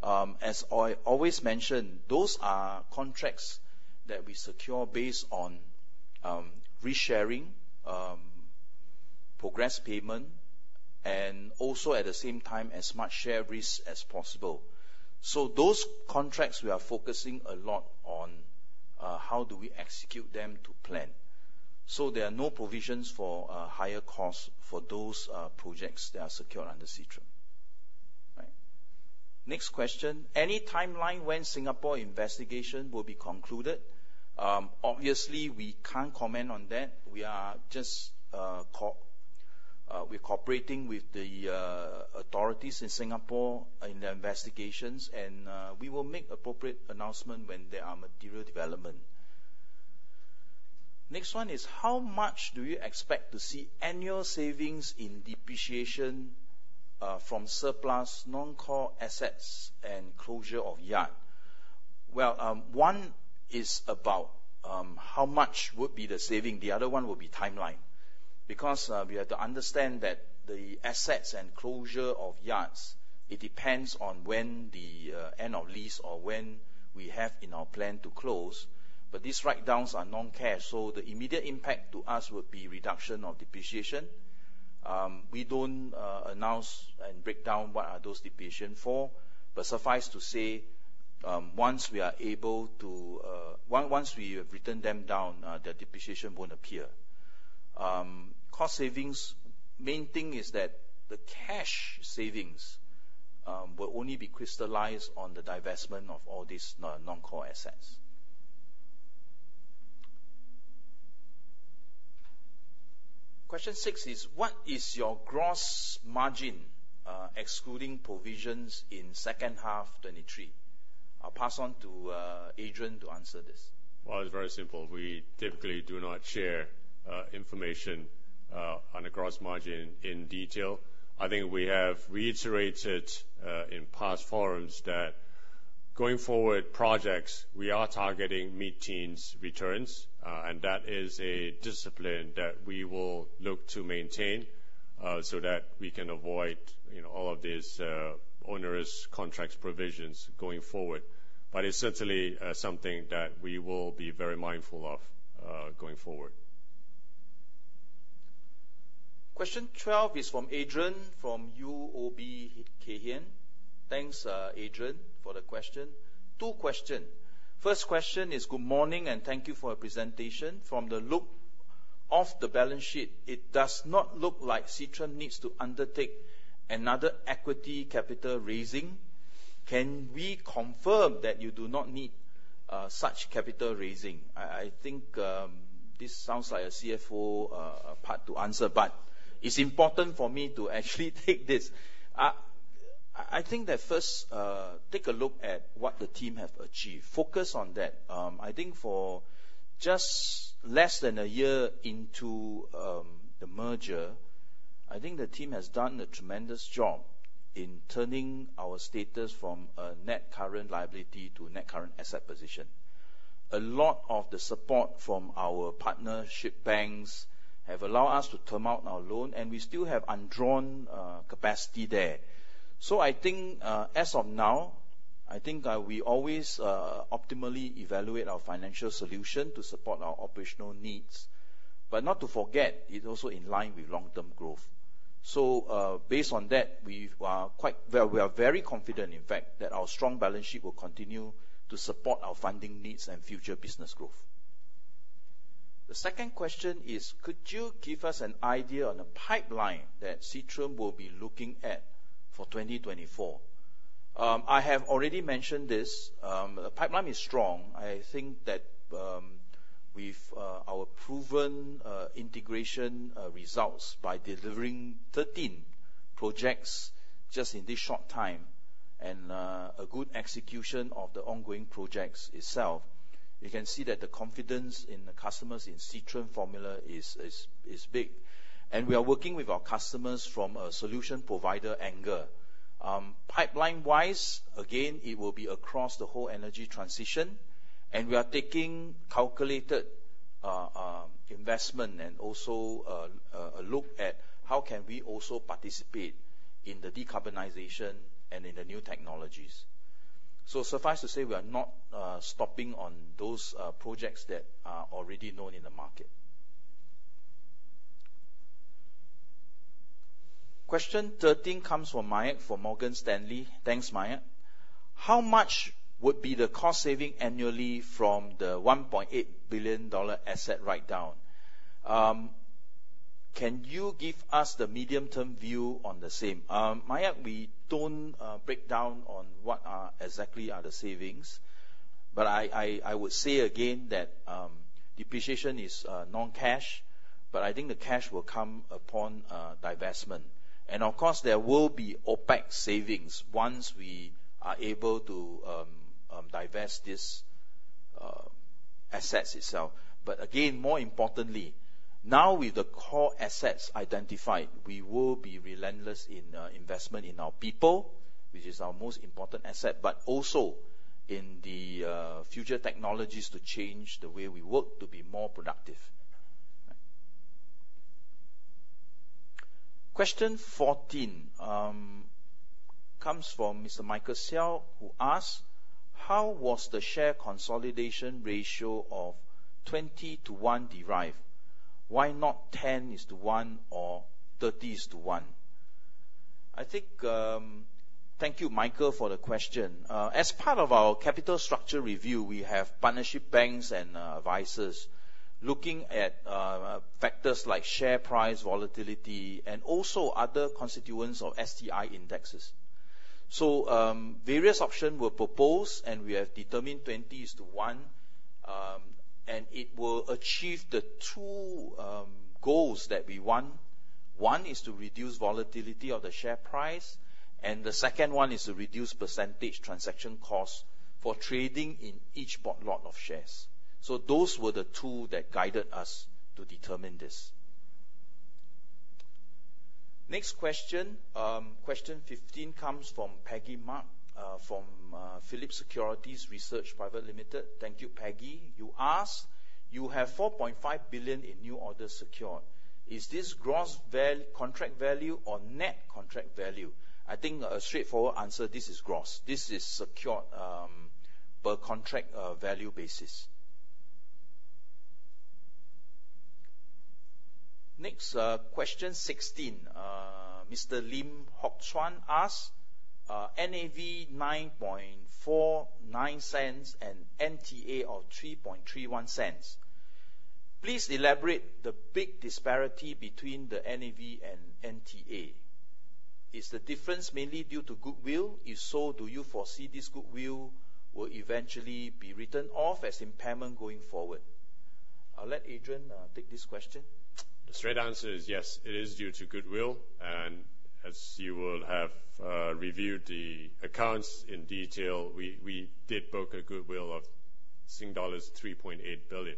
As I always mention, those are contracts that we secure based on risk-sharing progress payment, and also, at the same time, as much shared risk as possible. So those contracts we are focusing a lot on how do we execute them to plan. So there are no provisions for higher costs for those projects that are secured under Seatrium. Right. Next question: Any timeline when Singapore investigation will be concluded? Obviously, we can't comment on that. We're cooperating with the authorities in Singapore in their investigations, and we will make appropriate announcement when there are material development. Next one is, how much do you expect to see annual savings in depreciation from surplus non-core assets and closure of yard? Well, one is about, how much would be the saving, the other one will be timeline. Because, we have to understand that the assets and closure of yards, it depends on when the, end of lease or when we have in our plan to close, but these write-downs are non-cash, so the immediate impact to us would be reduction of depreciation. We don't announce and break down what are those depreciation for, but suffice to say, once we are able to... Once, once we have written them down, the depreciation won't appear. Cost savings, main thing is that the cash savings, will only be crystallized on the divestment of all these non, non-core assets. Question six is: What is your gross margin, excluding provisions in second half 2023? I'll pass on to, Adrian to answer this. Well, it's very simple. We typically do not share information on the gross margin in detail. I think we have reiterated in past forums that going forward, projects, we are targeting mid-teens returns, and that is a discipline that we will look to maintain, so that we can avoid, you know, all of these onerous contracts provisions going forward. But it's certainly something that we will be very mindful of going forward. Question 12 is from Adrian, from UOB Kay Hian. Thanks, Adrian, for the question. Two question. First question is, good morning, and thank you for your presentation. From the look of the balance sheet, it does not look like Seatrium needs to undertake another equity capital raising. Can we confirm that you do not need such capital raising? I think this sounds like a CFO part to answer, but it's important for me to actually take this. I think that first, take a look at what the team have achieved. Focus on that. I think for just less than a year into the merger, I think the team has done a tremendous job in turning our status from a net current liability to net current asset position. A lot of the support from our partnership banks have allowed us to term out our loan, and we still have undrawn capacity there. So I think, as of now, I think, we always optimally evaluate our financial solution to support our operational needs, but not to forget, it's also in line with long-term growth. So, based on that, we are quite well, we are very confident, in fact, that our strong balance sheet will continue to support our funding needs and future business growth. The second question is, could you give us an idea on the pipeline that Seatrium will be looking at for 2024? I have already mentioned this. The pipeline is strong. I think that, with our proven integration results by delivering 13 projects just in this short time, and a good execution of the ongoing projects itself, you can see that the confidence in the customers in Seatrium formula is big. And we are working with our customers from a solution provider angle. Pipeline-wise, again, it will be across the whole energy transition, and we are taking calculated investment and also a look at how can we also participate in the decarbonization and in the new technologies. So suffice to say, we are not stopping on those projects that are already known in the market. Question 13 comes from Mayank from Morgan Stanley. Thanks, Mayank. How much would be the cost saving annually from the $1.8 billion asset write down? Can you give us the medium-term view on the same? We don't break down on what exactly are the savings, but I would say again that depreciation is non-cash, but I think the cash will come upon divestment. And of course, there will be OpEx savings once we are able to divest this assets itself. But again, more importantly, now with the core assets identified, we will be relentless in investment in our people, which is our most important asset, but also in the future technologies to change the way we work to be more productive. Question 14 comes from Mr. Michael Seow, who asks: "How was the share consolidation ratio of 20-to-1 derived? Why not 10-to-1 or 30-to-1?" I think... Thank you, Michael, for the question. As part of our capital structure review, we have partnership banks and advisors looking at factors like share price volatility and also other constituents of STI indexes. Various option were proposed, and we have determined 20-to-1, and it will achieve the two goals that we want. One is to reduce volatility of the share price, and the second one is to reduce percentage transaction costs for trading in each board lot of shares. Those were the two that guided us to determine this. Next question, question 15 comes from Peggy Mak, from Phillips Securities Research Private Limited. Thank you, Peggy. You ask, "You have 4.5 billion in new orders secured. Is this gross contract value or net contract value?" I think a straightforward answer, this is gross. This is secured, per contract, value basis. Next, question 16. Mr. Lim Hock Chuan asks, "NAV 9.49 cents and NTA of 3.31 cents. Please elaborate the big disparity between the NAV and NTA. Is the difference mainly due to goodwill? If so, do you foresee this goodwill will eventually be written off as impairment going forward?" I'll let Adrian, take this question. The straight answer is yes, it is due to goodwill, and as you will have reviewed the accounts in detail, we did book a goodwill of Sing dollars 3.8 billion.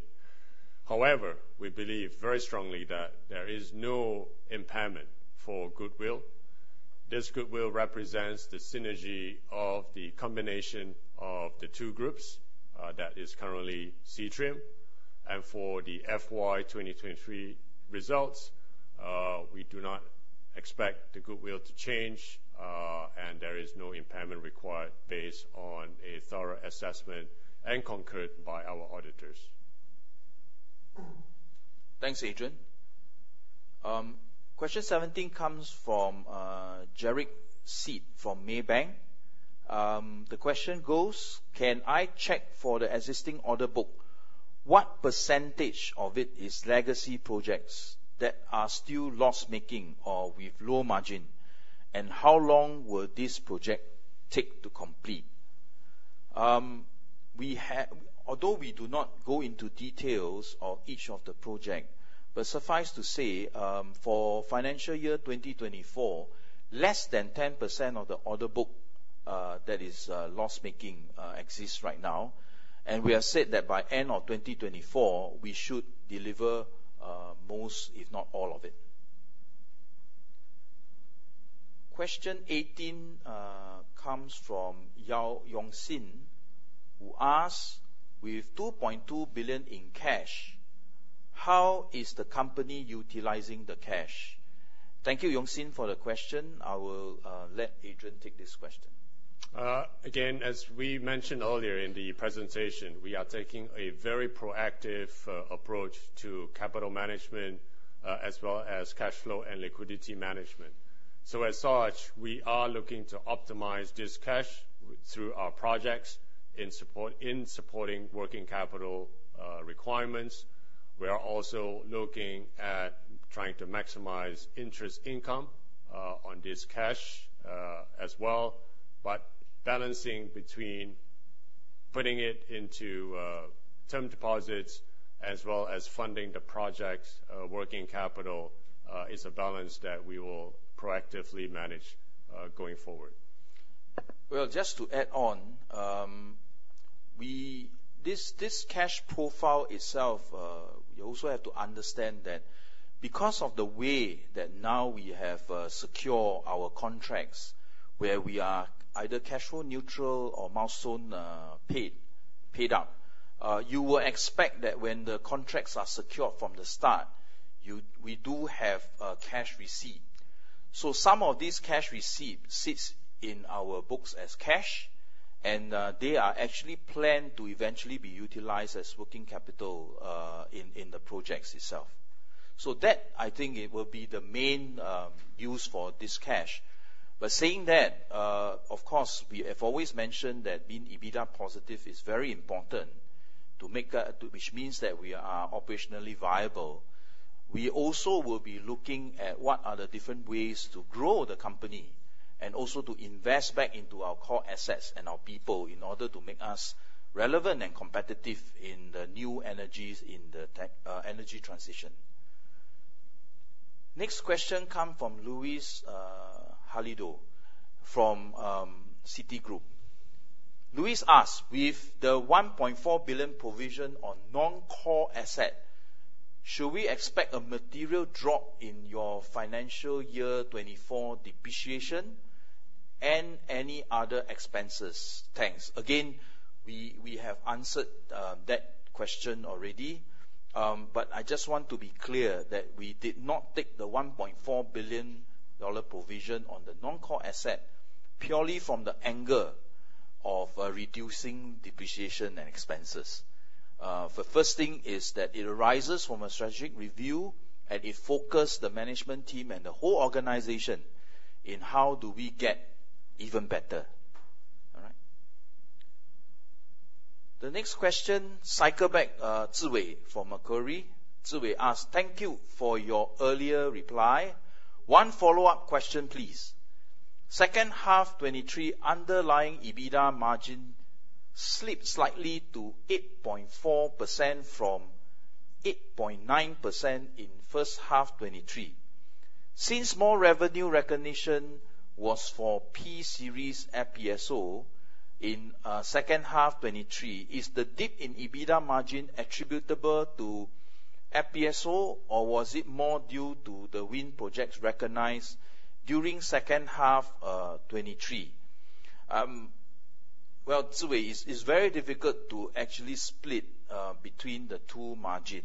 However, we believe very strongly that there is no impairment for goodwill. This goodwill represents the synergy of the combination of the two groups, that is currently Seatrium, and for the FY 2023 results, we do not expect the goodwill to change, and there is no impairment required based on a thorough assessment and concurred by our auditors. Thanks, Adrian. Question 17 comes from Jarick Seet from Maybank. The question goes: "Can I check for the existing order book, what percentage of it is legacy projects that are still loss-making or with low margin, and how long will this project take to complete?" We have, although we do not go into details of each of the project, but suffice to say, for financial year 2024, less than 10% of the order book that is loss-making exists right now, and we have said that by end of 2024, we should deliver most, if not all of it. Question 18 comes from Yao Yong Sin, who asks: "With 2.2 billion in cash, how is the company utilizing the cash?" Thank you, Yong Sin, for the question. I will let Adrian take this question. Again, as we mentioned earlier in the presentation, we are taking a very proactive approach to capital management as well as cash flow and liquidity management. So as such, we are looking to optimize this cash through our projects in support, in supporting working capital requirements. We are also looking at trying to maximize interest income on this cash as well. But balancing between putting it into term deposits as well as funding the projects working capital is a balance that we will proactively manage going forward. Well, just to add on, this cash profile itself, you also have to understand that because of the way that now we have secured our contracts, where we are either cash flow neutral or milestone paid up, you will expect that when the contracts are secured from the start, we do have a cash receipt. So some of this cash receipt sits in our books as cash, and they are actually planned to eventually be utilized as working capital in the projects itself. So that, I think, it will be the main use for this cash. But saying that, of course, we have always mentioned that being EBITDA positive is very important to make, which means that we are operationally viable. We also will be looking at what are the different ways to grow the company, and also to invest back into our core assets and our people, in order to make us relevant and competitive in the new energies, in the tech, energy transition. Next question come from Luis Hilado from Citigroup. Luis asks: "With the $1.4 billion provision on non-core asset, should we expect a material drop in your financial year 2024 depreciation and any other expenses? Thanks." Again, we have answered that question already. But I just want to be clear that we did not take the $1.4 billion provision on the non-core asset purely from the angle of, reducing depreciation and expenses. The first thing is that it arises from a strategic review, and it focus the management team and the whole organization in how do we get even better, all right? The next question, cycle back, Ziwei from Macquarie. Ziwei asks: "Thank you for your earlier reply. One follow-up question, please. Second half 2023 underlying EBITDA margin slipped slightly to 8.4% from 8.9% in first half 2023. Since more revenue recognition was for P-series FPSO in second half 2023, is the dip in EBITDA margin attributable to FPSO, or was it more due to the wind projects recognized during second half 2023?" Well, Ziwei, it's, it's very difficult to actually split between the two margin.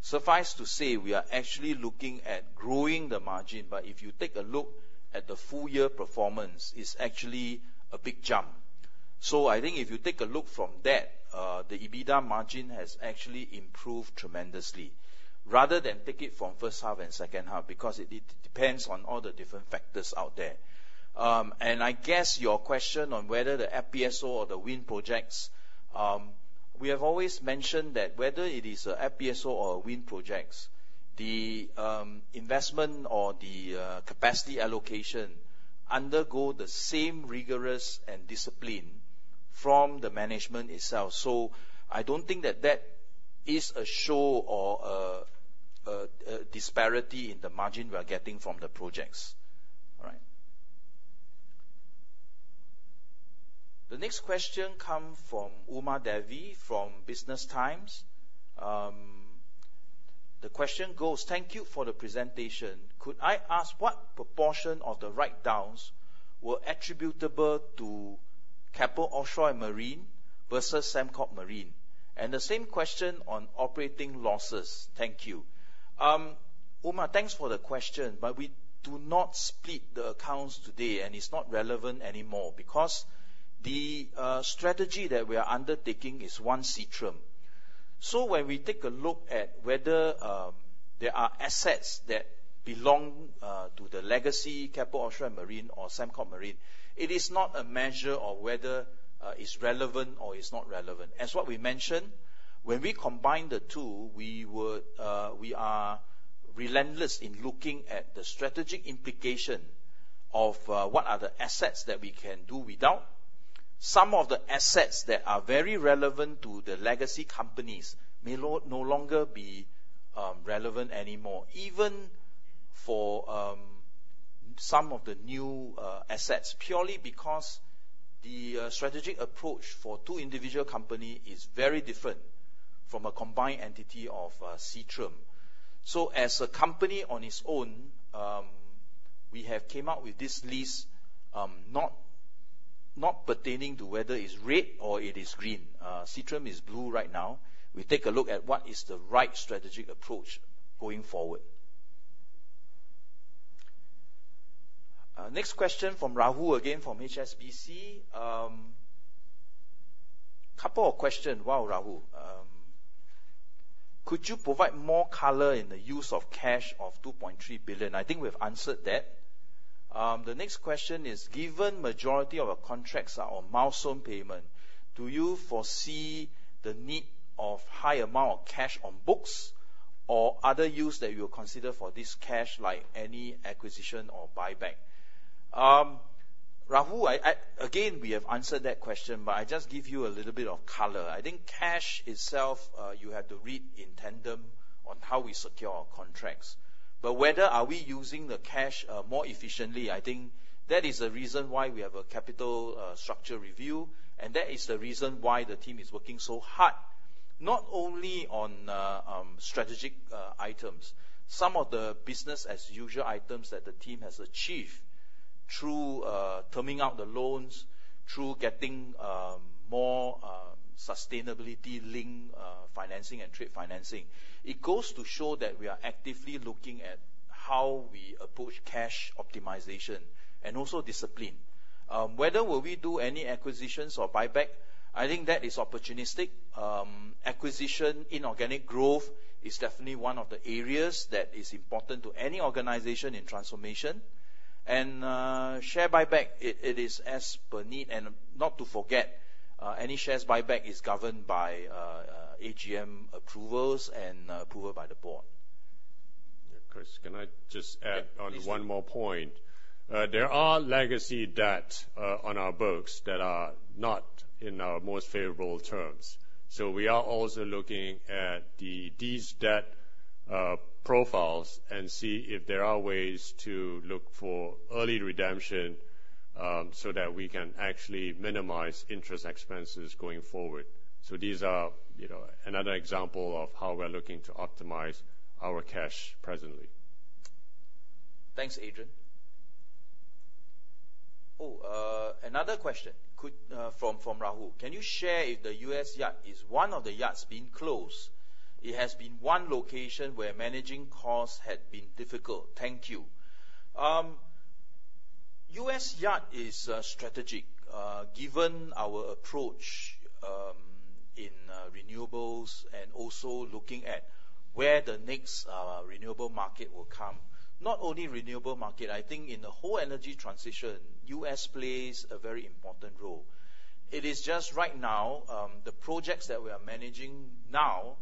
Suffice to say, we are actually looking at growing the margin, but if you take a look at the full year performance, it's actually a big jump. So I think if you take a look from that, the EBITDA margin has actually improved tremendously, rather than take it from first half and second half, because it, it depends on all the different factors out there. And I guess your question on whether the FPSO or the wind projects, we have always mentioned that whether it is a FPSO or wind projects, the, investment or the, capacity allocation undergo the same rigorous and discipline from the management itself. So I don't think that that is a show or a disparity in the margin we are getting from the projects. All right. The next question come from Uma Devi from Business Times. The question goes: "Thank you for the presentation. Could I ask what proportion of the write-downs were attributable to Keppel Offshore and Marine versus Sembcorp Marine? And the same question on operating losses. Thank you." Uma, thanks for the question, but we do not split the accounts today, and it's not relevant anymore, because the strategy that we are undertaking is one Seatrium. So when we take a look at whether there are assets that belong to the legacy Keppel Offshore and Marine or Sembcorp Marine, it is not a measure of whether it's relevant or it's not relevant. As what we mentioned, when we combine the two, we are relentless in looking at the strategic implication of what are the assets that we can do without. Some of the assets that are very relevant to the legacy companies may no longer be relevant anymore, even for some of the new assets, purely because the strategic approach for two individual company is very different from a combined entity of Seatrium. So as a company on its own, we have came out with this list, not pertaining to whether it's red or it is green. Seatrium is blue right now. We take a look at what is the right strategic approach going forward. Next question from Rahul, again, from HSBC. Couple of question. Wow, Rahul. "Could you provide more color in the use of cash of 2.3 billion?" I think we've answered that. The next question is: "Given majority of our contracts are on milestone payment, do you foresee the need of high amount of cash on books or other use that you will consider for this cash, like any acquisition or buyback?" Rahul, again, we have answered that question, but I just give you a little bit of color. I think cash itself, you have to read in tandem on how we secure our contracts. But whether are we using the cash, more efficiently, I think that is the reason why we have a capital, structure review, and that is the reason why the team is working so hard, not only on, strategic, items. Some of the business-as-usual items that the team has achieved through terming out the loans, through getting more sustainability-linked financing and trade financing, it goes to show that we are actively looking at how we approach cash optimization and also discipline. Whether will we do any acquisitions or buyback? I think that is opportunistic. Acquisition, inorganic growth, is definitely one of the areas that is important to any organization in transformation. And share buyback, it, it is as per need, and not to forget, any shares buyback is governed by AGM approvals and approval by the board. Chris, can I just add on- Please. One more point? There are legacy debt on our books that are not in our most favorable terms, so we are also looking at these debt profiles and see if there are ways to look for early redemption, so that we can actually minimize interest expenses going forward. So these are, you know, another example of how we're looking to optimize our cash presently. Thanks, Adrian. Oh, another question, quick, from Rahul: Can you share if the U.S. yard is one of the yards being closed? It has been one location where managing costs had been difficult. Thank you. US yard is strategic, given our approach in renewables and also looking at where the next renewable market will come. Not only renewable market, I think in the whole energy transition, US plays a very important role. It is just right now, the projects that we are managing now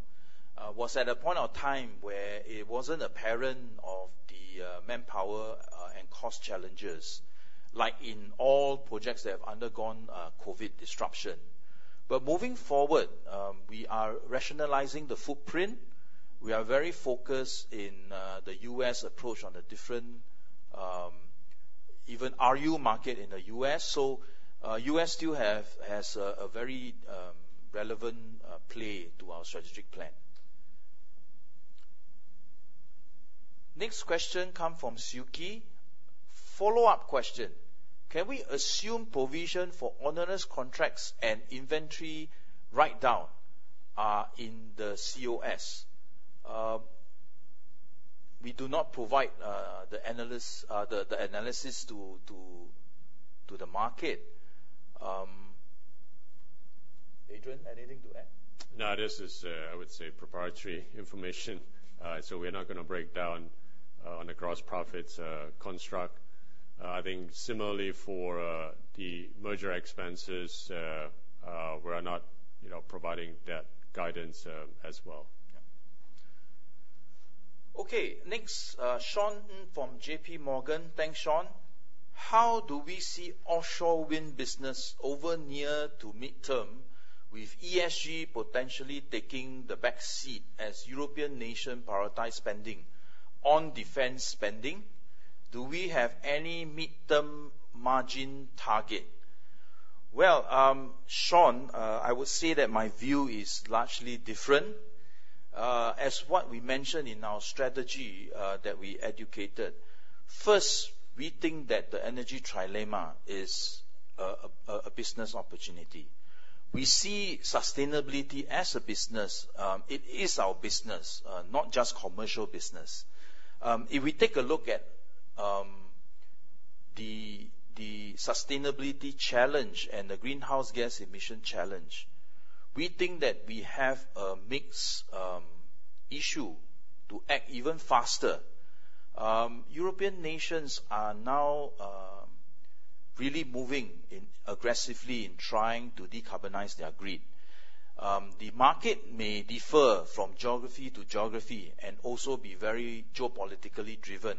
was at a point of time where it wasn't apparent of the manpower and cost challenges, like in all projects that have undergone COVID disruption. But moving forward, we are rationalizing the footprint. We are very focused in the U.S. approach on the different even RU market in the U.S. So, U.S. has a very relevant play to our strategic plan. Next question come from Suki. Follow-up question: Can we assume provision for onerous contracts and inventory write down in the COS? We do not provide the analyst the analysis to the market. Adrian, anything to add? No, this is, I would say, proprietary information, so we're not gonna break down on the gross profits construct. I think similarly for the merger expenses, we're not, you know, providing that guidance as well. Yeah. Okay, next, Sean from JPMorgan. Thanks, Sean. How do we see offshore wind business over near to midterm, with ESG potentially taking the back seat as European nation prioritize spending on defense spending? Do we have any midterm margin target? Well, Sean, I would say that my view is largely different. As what we mentioned in our strategy, that we educated, first, we think that the Energy Trilemma is, a, a business opportunity. We see sustainability as a business. It is our business, not just commercial business. If we take a look at, the, the sustainability challenge and the greenhouse gas emission challenge, we think that we have a mixed, issue to act even faster. European nations are now, really moving in aggressively in trying to decarbonize their grid. The market may differ from geography to geography, and also be very geopolitically driven,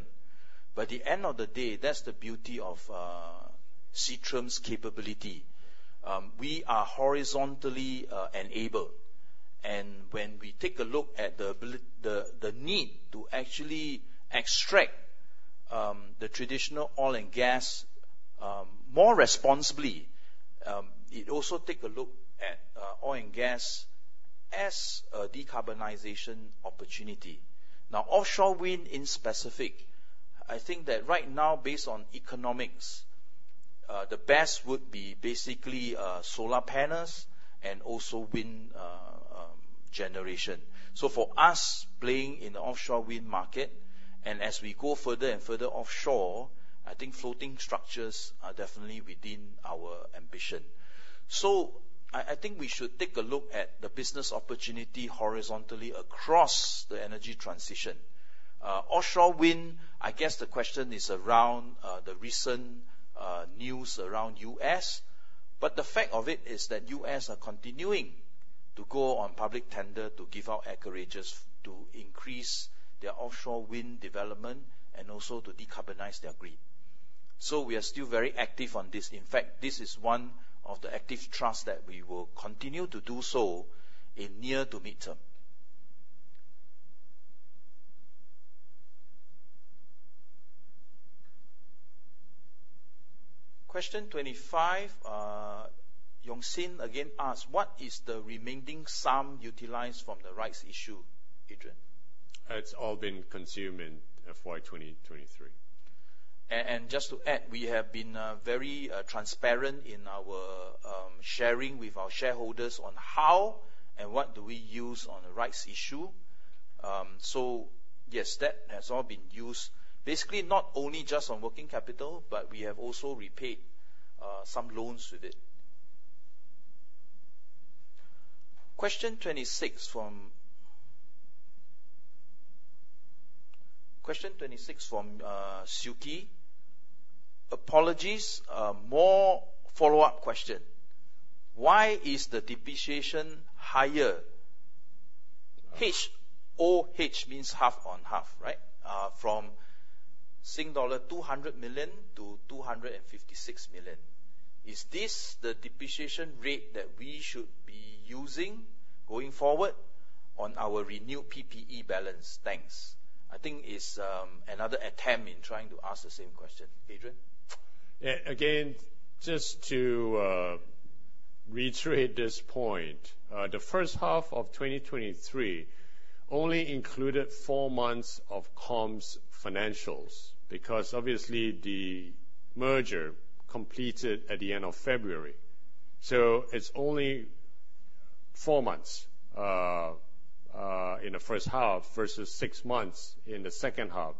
but at the end of the day, that's the beauty of Seatrium's capability. We are horizontally enabled, and when we take a look at the need to actually extract the traditional oil and gas more responsibly, it also take a look at oil and gas as a decarbonization opportunity. Now, offshore wind in specific, I think that right now, based on economics, the best would be basically solar panels and also wind generation. So for us, playing in the offshore wind market, and as we go further and further offshore, I think floating structures are definitely within our ambition. So I think we should take a look at the business opportunity horizontally across the energy transition. Offshore wind, I guess, the question is around the recent news around U.S., but the fact of it is that U.S. are continuing to go on public tender to give out acreages to increase their offshore wind development, and also to decarbonize their grid. So we are still very active on this. In fact, this is one of the active trusts that we will continue to do so in near to midterm. Question 25, Yong Sin again asks: What is the remaining sum utilized from the rights issue, Adrian? It's all been consumed in FY 2023. Just to add, we have been very transparent in our sharing with our shareholders on how and what do we use on the rights issue. So yes, that has all been used. Basically, not only just on working capital, but we have also repaid some loans with it. Question 26 from Suki: Apologies, more follow-up question. Why is the depreciation higher? H-O-H means half on half, right? From Sing dollar 200 million to 256 million. Is this the depreciation rate that we should be using going forward on our renewed PPE balance? Thanks. I think it's another attempt in trying to ask the same question. Adrian? Yeah. Again, just to reiterate this point, the first half of 2023 only included four months of KOM's financials, because obviously, the merger completed at the end of February. So it's only four months in the first half versus six months in the second half.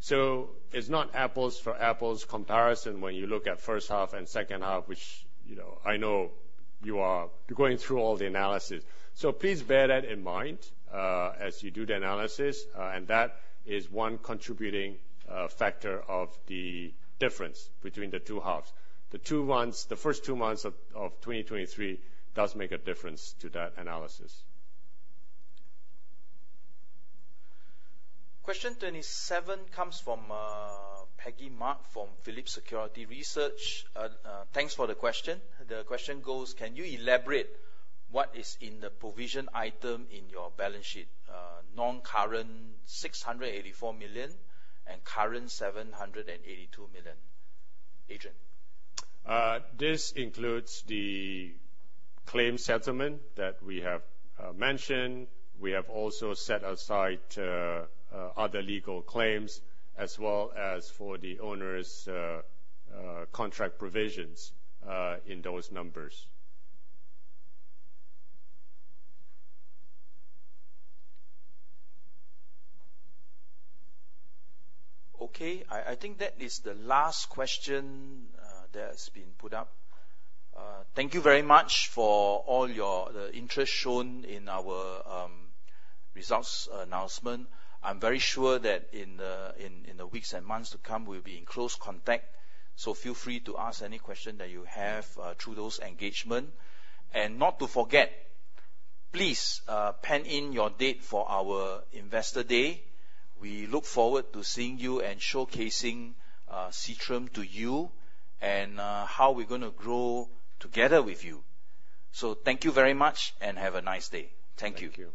So it's not apples for apples comparison when you look at first half and second half, which, you know, I know you are-- you're going through all the analysis. So please bear that in mind as you do the analysis, and that is one contributing factor of the difference between the two halves. The two months-- The first two months of 2023 does make a difference to that analysis. Question 27 comes from Peggy Mak, from Phillip Securities Research. Thanks for the question. The question goes: Can you elaborate what is in the provision item in your balance sheet? Non-current, 684 million, and current, 782 million. Adrian? This includes the claim settlement that we have mentioned. We have also set aside other legal claims, as well as for the onerous contract provisions, in those numbers. Okay. I, I think that is the last question that has been put up. Thank you very much for all your, the interest shown in our results announcement. I'm very sure that in the, in, in the weeks and months to come, we'll be in close contact, so feel free to ask any question that you have through those engagement. And not to forget, please pen in your date for our Investor Day. We look forward to seeing you and showcasing Seatrium to you, and how we're gonna grow together with you. So thank you very much and have a nice day. Thank you. Thank you.